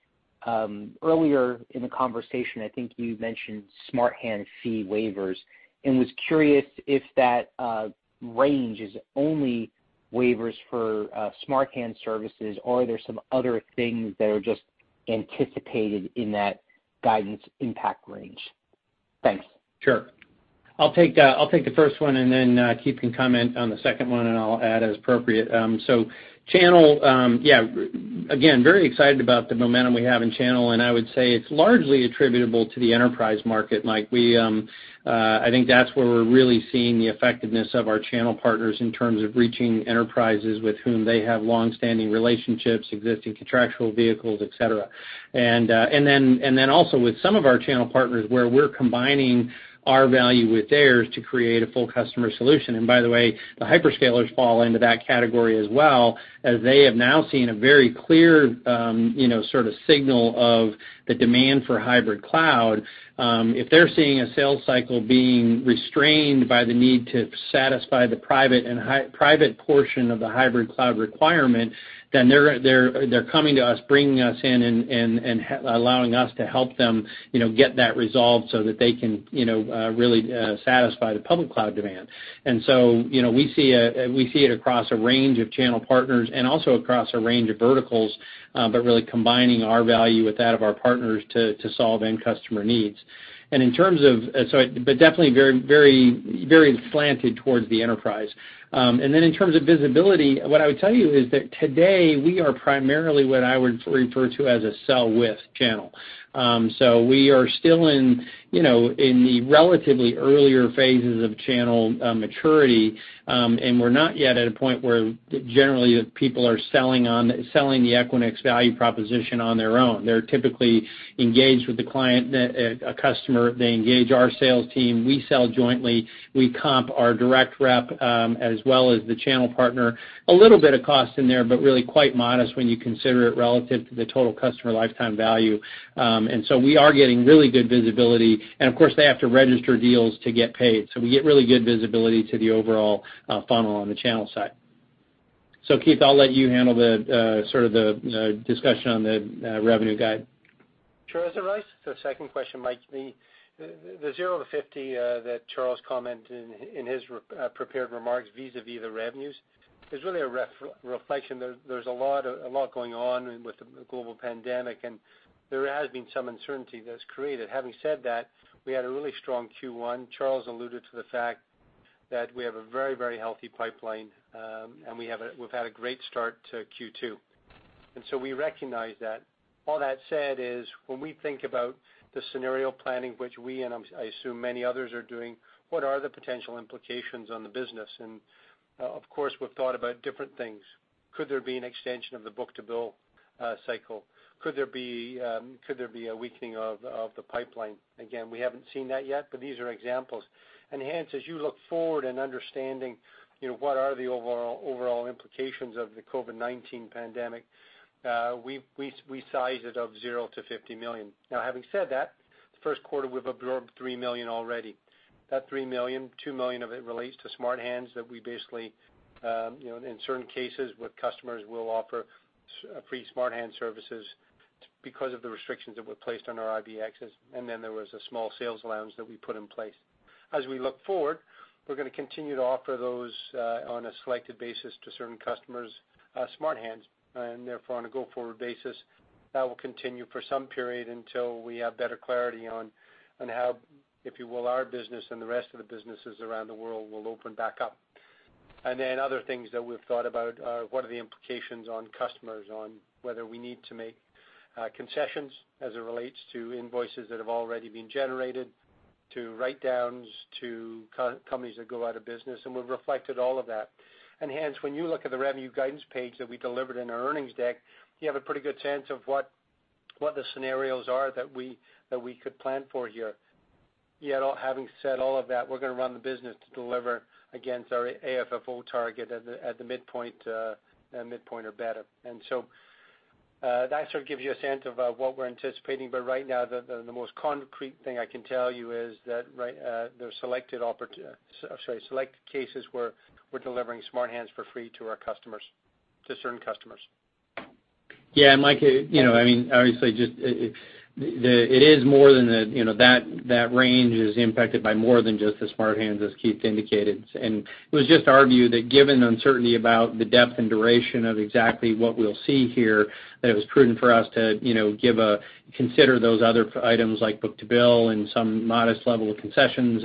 earlier in the conversation, I think you mentioned Smart Hands fee waivers and was curious if that range is only waivers for Smart Hands services or are there some other things that are just anticipated in that guidance impact range? Thanks. Sure. I'll take the first one, and then Keith can comment on the second one, and I'll add as appropriate. Channel, yeah, again, very excited about the momentum we have in channel, and I would say it's largely attributable to the enterprise market, Mike. I think that's where we're really seeing the effectiveness of our channel partners in terms of reaching enterprises with whom they have long-standing relationships, existing contractual vehicles, et cetera. Then also with some of our channel partners, where we're combining our value with theirs to create a full customer solution. By the way, the hyperscalers fall into that category as well, as they have now seen a very clear sort of signal of the demand for hybrid cloud. If they're seeing a sales cycle being restrained by the need to satisfy the private portion of the hybrid cloud requirement, then they're coming to us, bringing us in, and allowing us to help them get that resolved so that they can really satisfy the public cloud demand. We see it across a range of channel partners and also across a range of verticals, but really combining our value with that of our partners to solve end customer needs. Definitely very slanted towards the enterprise. In terms of visibility, what I would tell you is that today we are primarily what I would refer to as a sell with channel. We are still in the relatively earlier phases of channel maturity, and we're not yet at a point where generally people are selling the Equinix value proposition on their own. They're typically engaged with a customer. They engage our sales team. We sell jointly. We comp our direct rep, as well as the channel partner. A little bit of cost in there, but really quite modest when you consider it relative to the total customer lifetime value. We are getting really good visibility, and of course, they have to register deals to get paid. We get really good visibility to the overall funnel on the channel side. Keith, I'll let you handle the sort of the discussion on the revenue guide. Sure, as a recap. Second question, Mike, the $0-$50 that Charles commented in his prepared remarks vis-a-vis the revenues is really a reflection. There's a lot going on with the global pandemic, and there has been some uncertainty that's created. Having said that, we had a really strong Q1. Charles alluded to the fact that we have a very healthy pipeline, and we've had a great start to Q2, and so we recognize that. All that said is when we think about the scenario planning, which we, and I assume many others are doing, what are the potential implications on the business? Of course, we've thought about different things. Could there be an extension of the book-to-bill cycle? Could there be a weakening of the pipeline? Again, we haven't seen that yet, but these are examples. Hence, as you look forward and understanding what are the overall implications of the COVID-19 pandemic, we size it of $0-$50 million. Having said that, the first quarter, we've absorbed $3 million already. That $3 million, $2 million of it relates to Smart Hands that we basically, in certain cases with customers, will offer free Smart Hands services because of the restrictions that were placed on our IBXs. Then there was a small sales allowance that we put in place. As we look forward, we're going to continue to offer those on a selected basis to certain customers, Smart Hands, and therefore on a go-forward basis, that will continue for some period until we have better clarity on how, if you will, our business and the rest of the businesses around the world will open back up. Other things that we've thought about are what are the implications on customers on whether we need to make concessions as it relates to invoices that have already been generated, to write downs, to companies that go out of business, and we've reflected all of that. Hence, when you look at the revenue guidance page that we delivered in our earnings deck, you have a pretty good sense of what the scenarios are that we could plan for here. Yet having said all of that, we're going to run the business to deliver against our AFFO target at the midpoint or better. That sort of gives you a sense of what we're anticipating. Right now, the most concrete thing I can tell you is that there are select cases where we're delivering Smart Hands for free to our customers, to certain customers. Yeah. Mike, obviously, that range is impacted by more than just the Smart Hands, as Keith indicated. It was just our view that given the uncertainty about the depth and duration of exactly what we'll see here, that it was prudent for us to consider those other items like book-to-bill and some modest level of concessions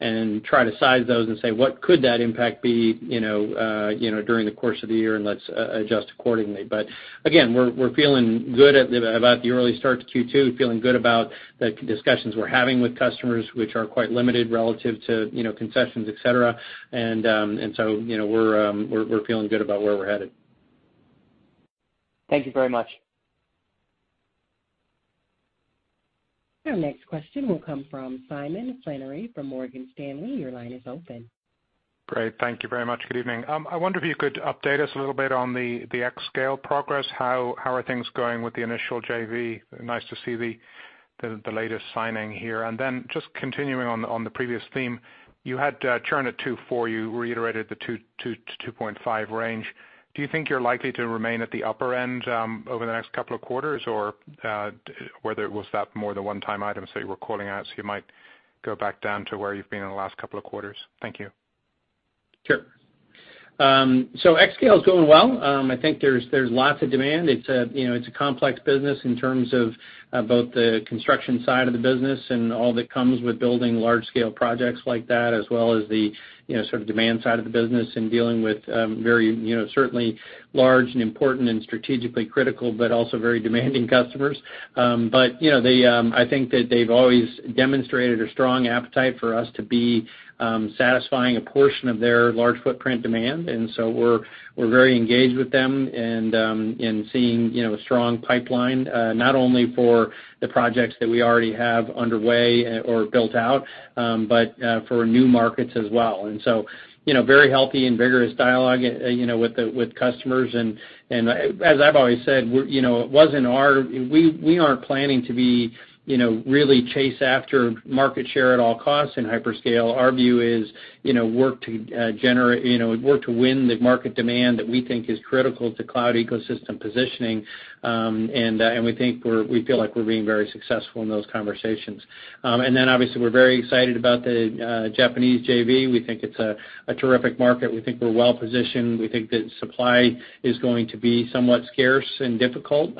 and try to size those and say, what could that impact be during the course of the year, and let's adjust accordingly. Again, we're feeling good about the early start to Q2, feeling good about the discussions we're having with customers, which are quite limited relative to concessions, et cetera. We're feeling good about where we're headed. Thank you very much. Our next question will come from Simon Flannery from Morgan Stanley. Your line is open. Great. Thank you very much. Good evening. I wonder if you could update us a little bit on the xScale progress. How are things going with the initial JV? Nice to see the latest signing here. Then just continuing on the previous theme, you had churn at 2.4%, you reiterated the 2%-2.5% range. Do you think you're likely to remain at the upper end over the next couple of quarters? Whether it was that more the one-time items that you were calling out, so you might go back down to where you've been in the last couple of quarters? Thank you. Sure. xScale is going well. I think there's lots of demand. It's a complex business in terms of both the construction side of the business and all that comes with building large-scale projects like that, as well as the sort of demand side of the business and dealing with very certainly large and important and strategically critical, but also very demanding customers. I think that they've always demonstrated a strong appetite for us to be satisfying a portion of their large footprint demand. We're very engaged with them and seeing a strong pipeline, not only for the projects that we already have underway or built out, but for new markets as well. Very healthy and vigorous dialogue with customers. As I've always said, we aren't planning to really chase after market share at all costs in hyperscale. Our view is work to win the market demand that we think is critical to cloud ecosystem positioning. We feel like we're being very successful in those conversations. Obviously, we're very excited about the Japanese JV. We think it's a terrific market. We think we're well-positioned. We think that supply is going to be somewhat scarce and difficult.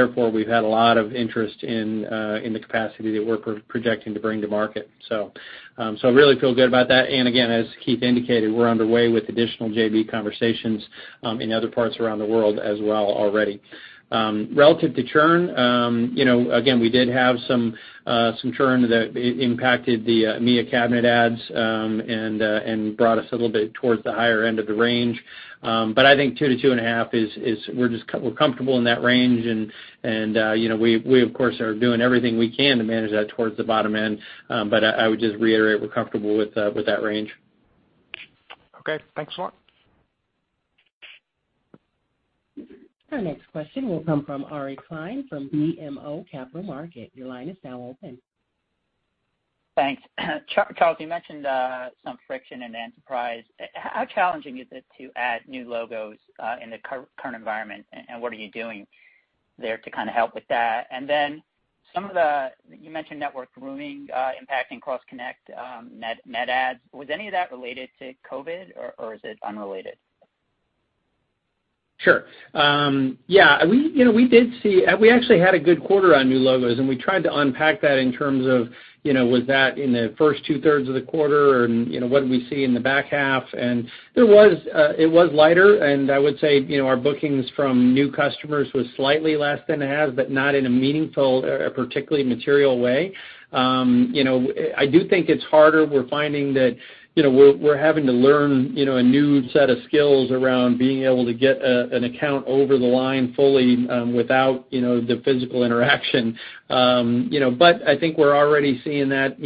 Therefore, we've had a lot of interest in the capacity that we're projecting to bring to market. Really feel good about that. Again, as Keith indicated, we're underway with additional JV conversations in other parts around the world as well already. Relative to churn, again, we did have some churn that impacted the EMEA cabinet adds, brought us a little bit towards the higher end of the range. I think 2%-2.5%, we're comfortable in that range, and we of course, are doing everything we can to manage that towards the bottom end. I would just reiterate we're comfortable with that range. Okay, thanks a lot. Our next question will come from Ari Klein from BMO Capital Markets. Your line is now open. Thanks. Charles, you mentioned some friction in the enterprise. How challenging is it to add new logos in the current environment, and what are you doing there to kind of help with that? You mentioned network grooming impacting cross-connect net adds. Was any of that related to COVID or is it unrelated? Sure. Yeah, we actually had a good quarter on new logos, and we tried to unpack that in terms of was that in the first two-thirds of the quarter and what did we see in the back half? It was lighter, and I would say our bookings from new customers was slightly less than it has, but not in a meaningful or particularly material way. I do think it's harder. We're finding that we're having to learn a new set of skills around being able to get an account over the line fully without the physical interaction. I think we're already seeing that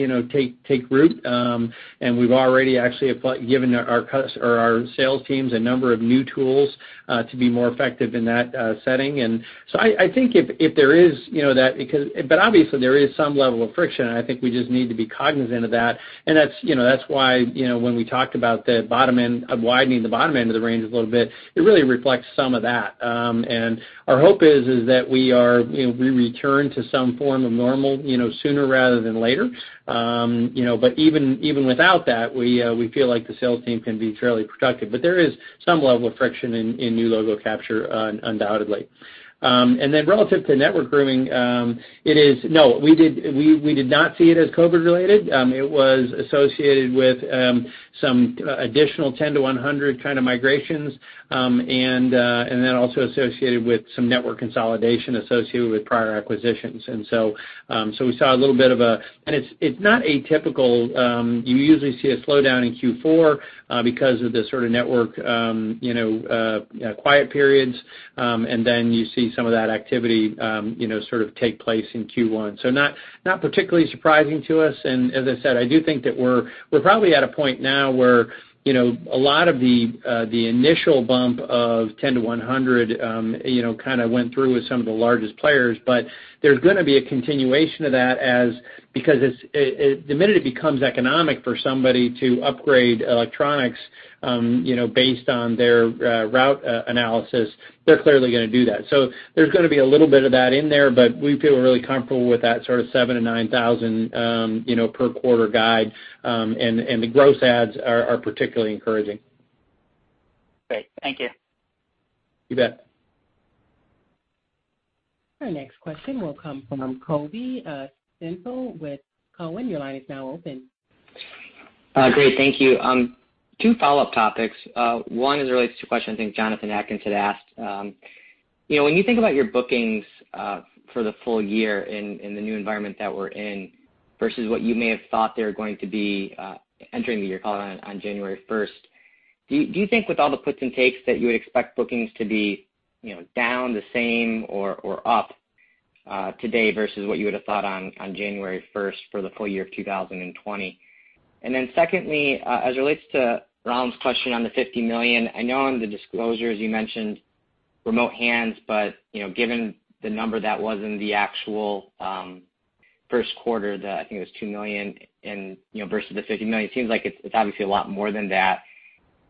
take root. We've already actually given our sales teams a number of new tools to be more effective in that setting. Obviously, there is some level of friction, and I think we just need to be cognizant of that. That's why when we talked about widening the bottom end of the range a little bit, it really reflects some of that. Our hope is that we return to some form of normal sooner rather than later. Even without that, we feel like the sales team can be fairly productive. There is some level of friction in new logo capture undoubtedly. Relative to network grooming, no, we did not see it as COVID related. It was associated with some additional 10 to 100 kind of migrations, also associated with some network consolidation associated with prior acquisitions. It's not atypical. You usually see a slowdown in Q4 because of the sort of network quiet periods. You see some of that activity sort of take place in Q1. Not particularly surprising to us. As I said, I do think that we're probably at a point now where a lot of the initial bump of 10 to 100 kind of went through with some of the largest players, but there's going to be a continuation of that because the minute it becomes economic for somebody to upgrade electronics based on their route analysis, they're clearly going to do that. There's going to be a little bit of that in there, but we feel really comfortable with that sort of 7,000-9,000 per quarter guide. The gross adds are particularly encouraging. Great. Thank you. You bet. Our next question will come from Colby Synesael with Cowen. Your line is now open. Great. Thank you. Two follow-up topics. One is related to a question I think Jonathan Atkin had asked. When you think about your bookings for the full year in the new environment that we're in versus what you may have thought they were going to be entering the year, call it on January 1st, do you think with all the puts and takes that you would expect bookings to be down, the same, or up today versus what you would have thought on January 1st for the full year of 2020? Secondly, as it relates to Rollins' question on the $50 million, I know on the disclosures, you mentioned remote hands, but given the number that was in the actual first quarter that I think was $2 million versus the $50 million, it seems like it's obviously a lot more than that.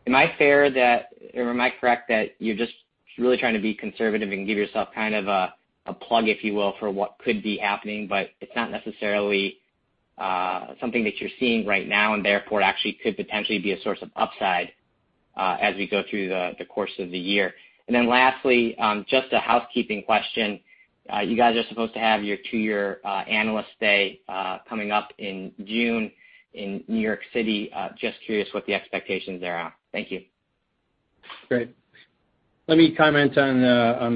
Am I correct that you're just really trying to be conservative and give yourself kind of a plug, if you will, for what could be happening, but it's not necessarily something that you're seeing right now, and therefore, it actually could potentially be a source of upside as we go through the course of the year? Lastly, just a housekeeping question. You guys are supposed to have your two-year Analyst Day coming up in June in New York City. Just curious what the expectations there are. Thank you. Great. Let me comment on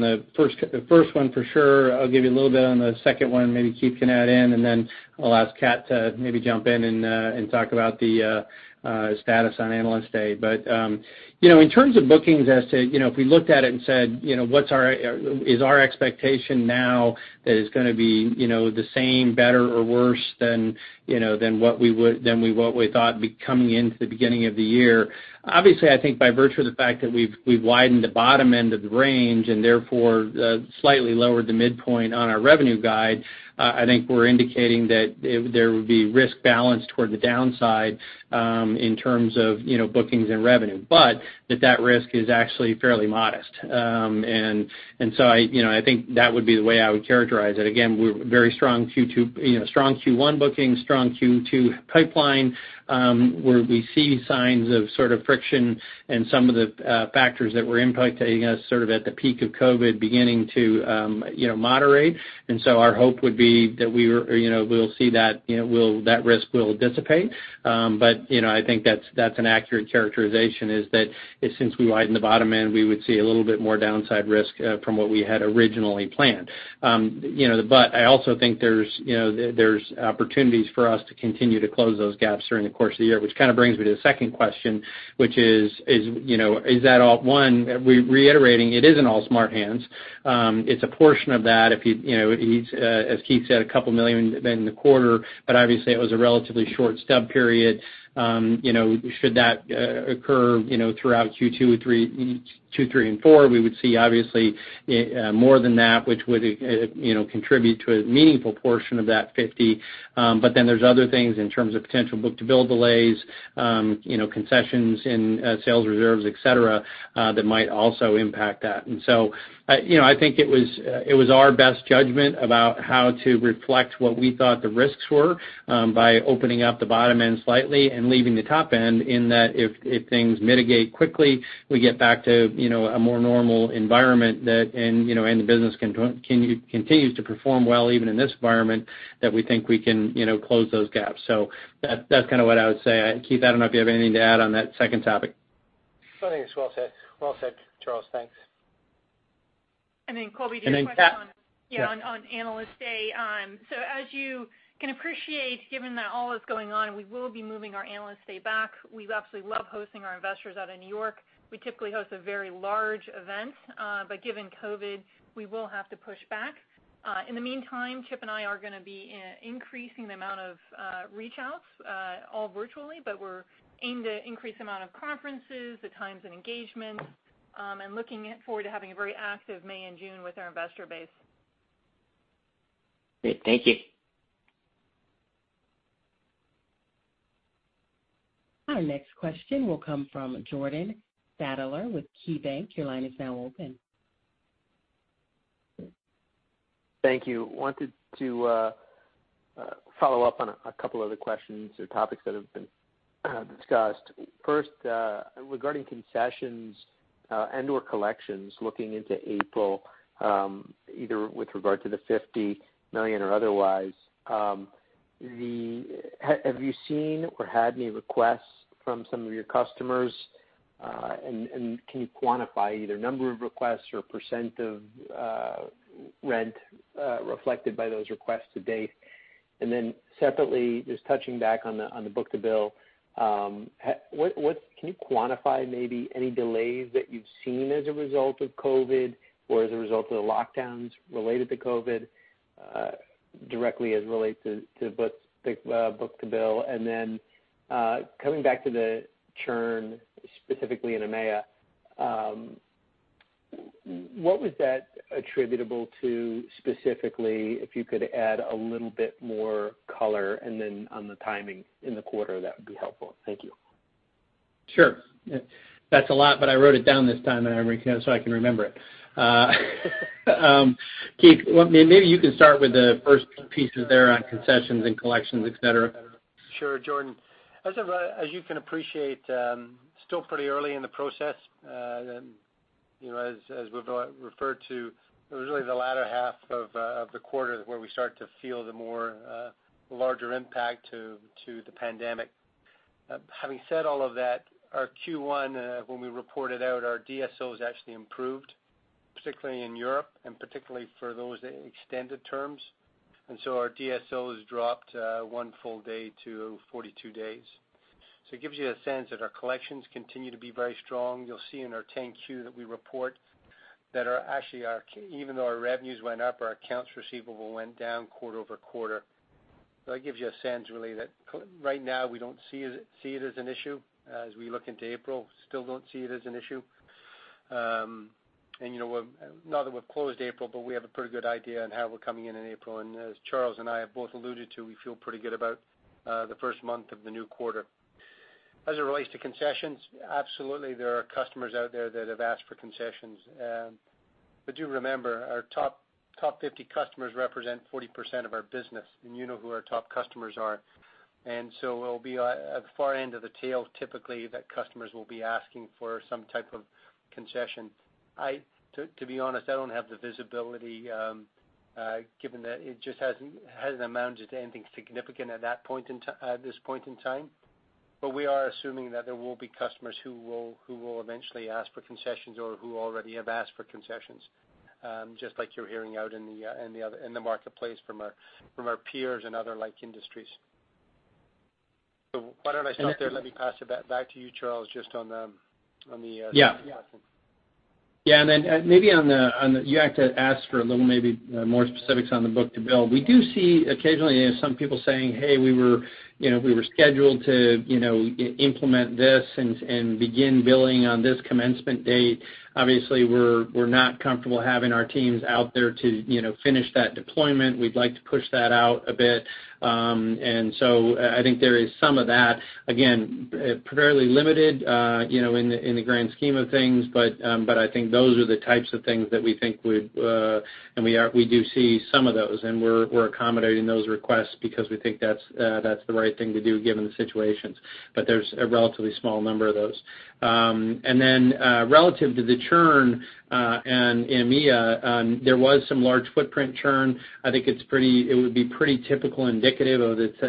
the first one for sure. I'll give you a little bit on the second one, maybe Keith can add in, and then I'll ask Kat to maybe jump in and talk about the status on Analyst Day. In terms of bookings, if we looked at it and said, is our expectation now that it's going to be the same, better, or worse than what we thought coming into the beginning of the year? Obviously, I think by virtue of the fact that we've widened the bottom end of the range, and therefore slightly lowered the midpoint on our revenue guide, I think we're indicating that there would be risk balanced toward the downside in terms of bookings and revenue. That risk is actually fairly modest. I think that would be the way I would characterize it. Very strong Q1 booking, strong Q2 pipeline, where we see signs of sort of friction and some of the factors that were impacting us sort of at the peak of COVID beginning to moderate. Our hope would be that we'll see that risk will dissipate. I think that's an accurate characterization is that since we widened the bottom end, we would see a little bit more downside risk from what we had originally planned. I also think there's opportunities for us to continue to close those gaps during the course of the year, which kind of brings me to the second question, which is that all one, reiterating, it isn't all Smart Hands. It's a portion of that. As Keith said, a couple million in the quarter, but obviously, it was a relatively short stub period. Should that occur throughout Q2, Q3, and Q4, we would see obviously more than that, which would contribute to a meaningful portion of that $50 million. There's other things in terms of potential book-to-bill delays, concessions in sales reserves, et cetera, that might also impact that. I think it was our best judgment about how to reflect what we thought the risks were by opening up the bottom end slightly and leaving the top end in that if things mitigate quickly, we get back to a more normal environment and the business continues to perform well even in this environment that we think we can close those gaps. That's kind of what I would say. Keith, I don't know if you have anything to add on that second topic. No, I think it's well said. Well said, Charles. Thanks. And then Colby- Kat. just a question on- Yeah. Analyst Day. As you can appreciate, given that all is going on, we will be moving our Analyst Day back. We absolutely love hosting our investors out in New York. We typically host a very large event. Given COVID, we will have to push back. In the meantime, Chip and I are going to be increasing the amount of reach outs all virtually, but we aim to increase the amount of conferences, the times, and engagement, and looking forward to having a very active May and June with our investor base. Great. Thank you. Our next question will come from Jordan Sadler with KeyBanc. Your line is now open. Thank you. I wanted to follow up on a couple other questions or topics that have been discussed. First, regarding concessions and/or collections looking into April, either with regard to the $50 million or otherwise, have you seen or had any requests from some of your customers? Can you quantify either number of requests or percent of rent reflected by those requests to date? Separately, just touching back on the book-to-bill, can you quantify maybe any delays that you've seen as a result of COVID or as a result of the lockdowns related to COVID directly as it relates to book-to-bill? Coming back to the churn, specifically in EMEA, what was that attributable to specifically, if you could add a little bit more color and then on the timing in the quarter, that would be helpful. Thank you. Sure. That's a lot. I wrote it down this time so I can remember it. Keith, maybe you can start with the first pieces there on concessions and collections, et cetera. Sure, Jordan. As you can appreciate, still pretty early in the process. As we've referred to, it was really the latter half of the quarter where we start to feel the more larger impact to the pandemic. Having said all of that, our Q1, when we reported out, our DSO has actually improved, particularly in Europe and particularly for those extended terms, and so our DSO has dropped one full day to 42 days. It gives you a sense that our collections continue to be very strong. You'll see in our 10-Q that we report that actually, even though our revenues went up, our accounts receivable went down quarter over quarter. That gives you a sense really that right now we don't see it as an issue. As we look into April, still don't see it as an issue. Not that we've closed April, but we have a pretty good idea on how we're coming in in April. As Charles and I have both alluded to, we feel pretty good about the first month of the new quarter. As it relates to concessions, absolutely, there are customers out there that have asked for concessions. Do remember, our top 50 customers represent 40% of our business, and you know who our top customers are. It'll be at the far end of the tail, typically, that customers will be asking for some type of concession. To be honest, I don't have the visibility, given that it just hasn't amounted to anything significant at this point in time. We are assuming that there will be customers who will eventually ask for concessions or who already have asked for concessions, just like you're hearing out in the marketplace from our peers in other like industries. Why don't I stop there? Let me pass it back to you, Charles, just on the- Yeah. Yeah. Yeah, then maybe on the, you have to ask for a little, maybe, more specifics on the book-to-bill. We do see occasionally some people saying, "Hey, we were scheduled to implement this and begin billing on this commencement date. Obviously, we're not comfortable having our teams out there to finish that deployment. We'd like to push that out a bit." I think there is some of that, again, fairly limited in the grand scheme of things, but I think those are the types of things that we do see some of those, and we're accommodating those requests because we think that's the right thing to do given the situations. There's a relatively small number of those. Relative to the churn in EMEA, there was some large footprint churn. I think it would be pretty typical indicative of. As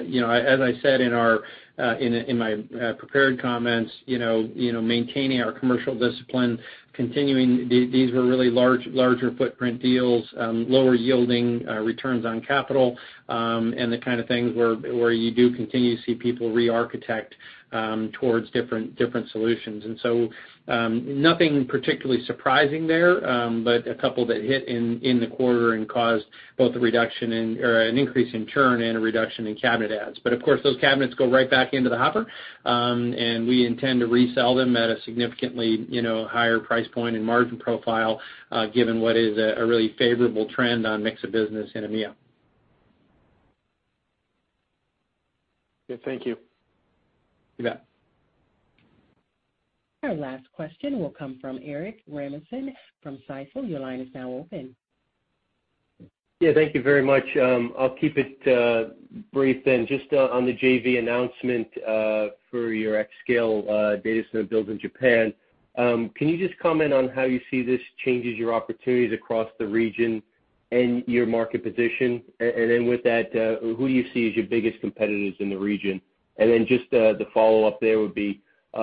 I said in my prepared comments, maintaining our commercial discipline, continuing, these were really larger footprint deals, lower yielding returns on capital, and the kind of things where you do continue to see people re-architect towards different solutions. Nothing particularly surprising there, but a couple that hit in the quarter and caused both an increase in churn and a reduction in cabinet adds. Of course, those cabinets go right back into the hopper, and we intend to resell them at a significantly higher price point and margin profile, given what is a really favorable trend on mix of business in EMEA. Yeah. Thank you. You bet. Our last question will come from Erik Rasmussen from Stifel. Your line is now open. Yeah, thank you very much. I'll keep it brief then. Just on the JV announcement for your xScale data center builds in Japan, can you just comment on how you see this changes your opportunities across the region and your market position? With that, who do you see as your biggest competitors in the region? Just the follow-up there would be, I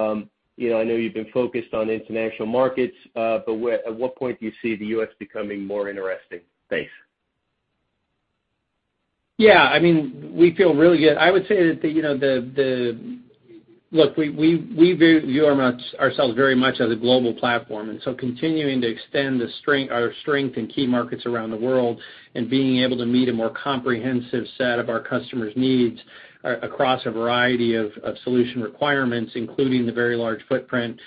know you've been focused on international markets, but at what point do you see the U.S. becoming more interesting space? Yeah, we feel really good. I would say that, look, we view ourselves very much as a global platform, continuing to extend our strength in key markets around the world and being able to meet a more comprehensive set of our customers' needs across a variety of solution requirements, including the very large footprint,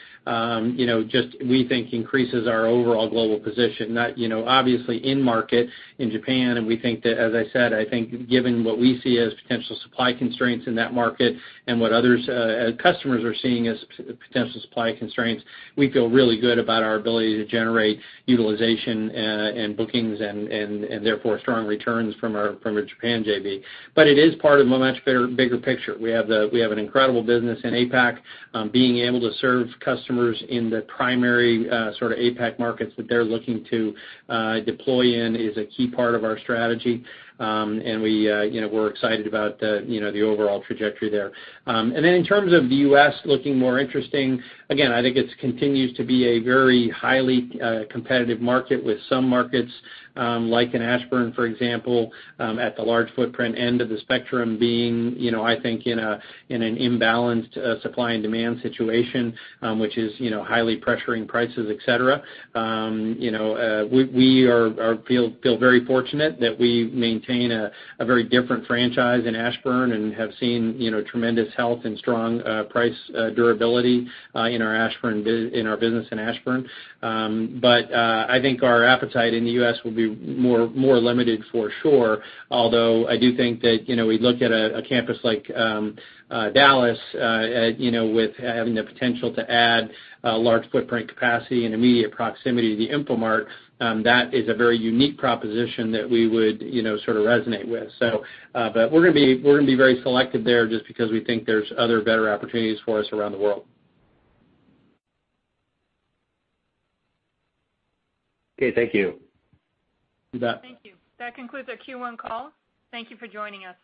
just we think increases our overall global position. Obviously in market in Japan, we think that, as I said, I think given what we see as potential supply constraints in that market and what others customers are seeing as potential supply constraints, we feel really good about our ability to generate utilization and bookings and therefore strong returns from our Japan JV. It is part of a much bigger picture. We have an incredible business in APAC. Being able to serve customers in the primary APAC markets that they're looking to deploy in is a key part of our strategy. We're excited about the overall trajectory there. In terms of the U.S. looking more interesting, again, I think it continues to be a very highly competitive market with some markets, like in Ashburn, for example, at the large footprint end of the spectrum being I think in an imbalanced supply and demand situation, which is highly pressuring prices, et cetera. We feel very fortunate that we maintain a very different franchise in Ashburn and have seen tremendous health and strong price durability in our business in Ashburn. I think our appetite in the U.S. will be more limited for sure, although I do think that we look at a campus like Dallas, with having the potential to add large footprint capacity and immediate proximity to the Infomart. That is a very unique proposition that we would sort of resonate with. We're going to be very selective there just because we think there's other better opportunities for us around the world. Okay, thank you. You bet. Thank you. That concludes our Q1 call. Thank you for joining us.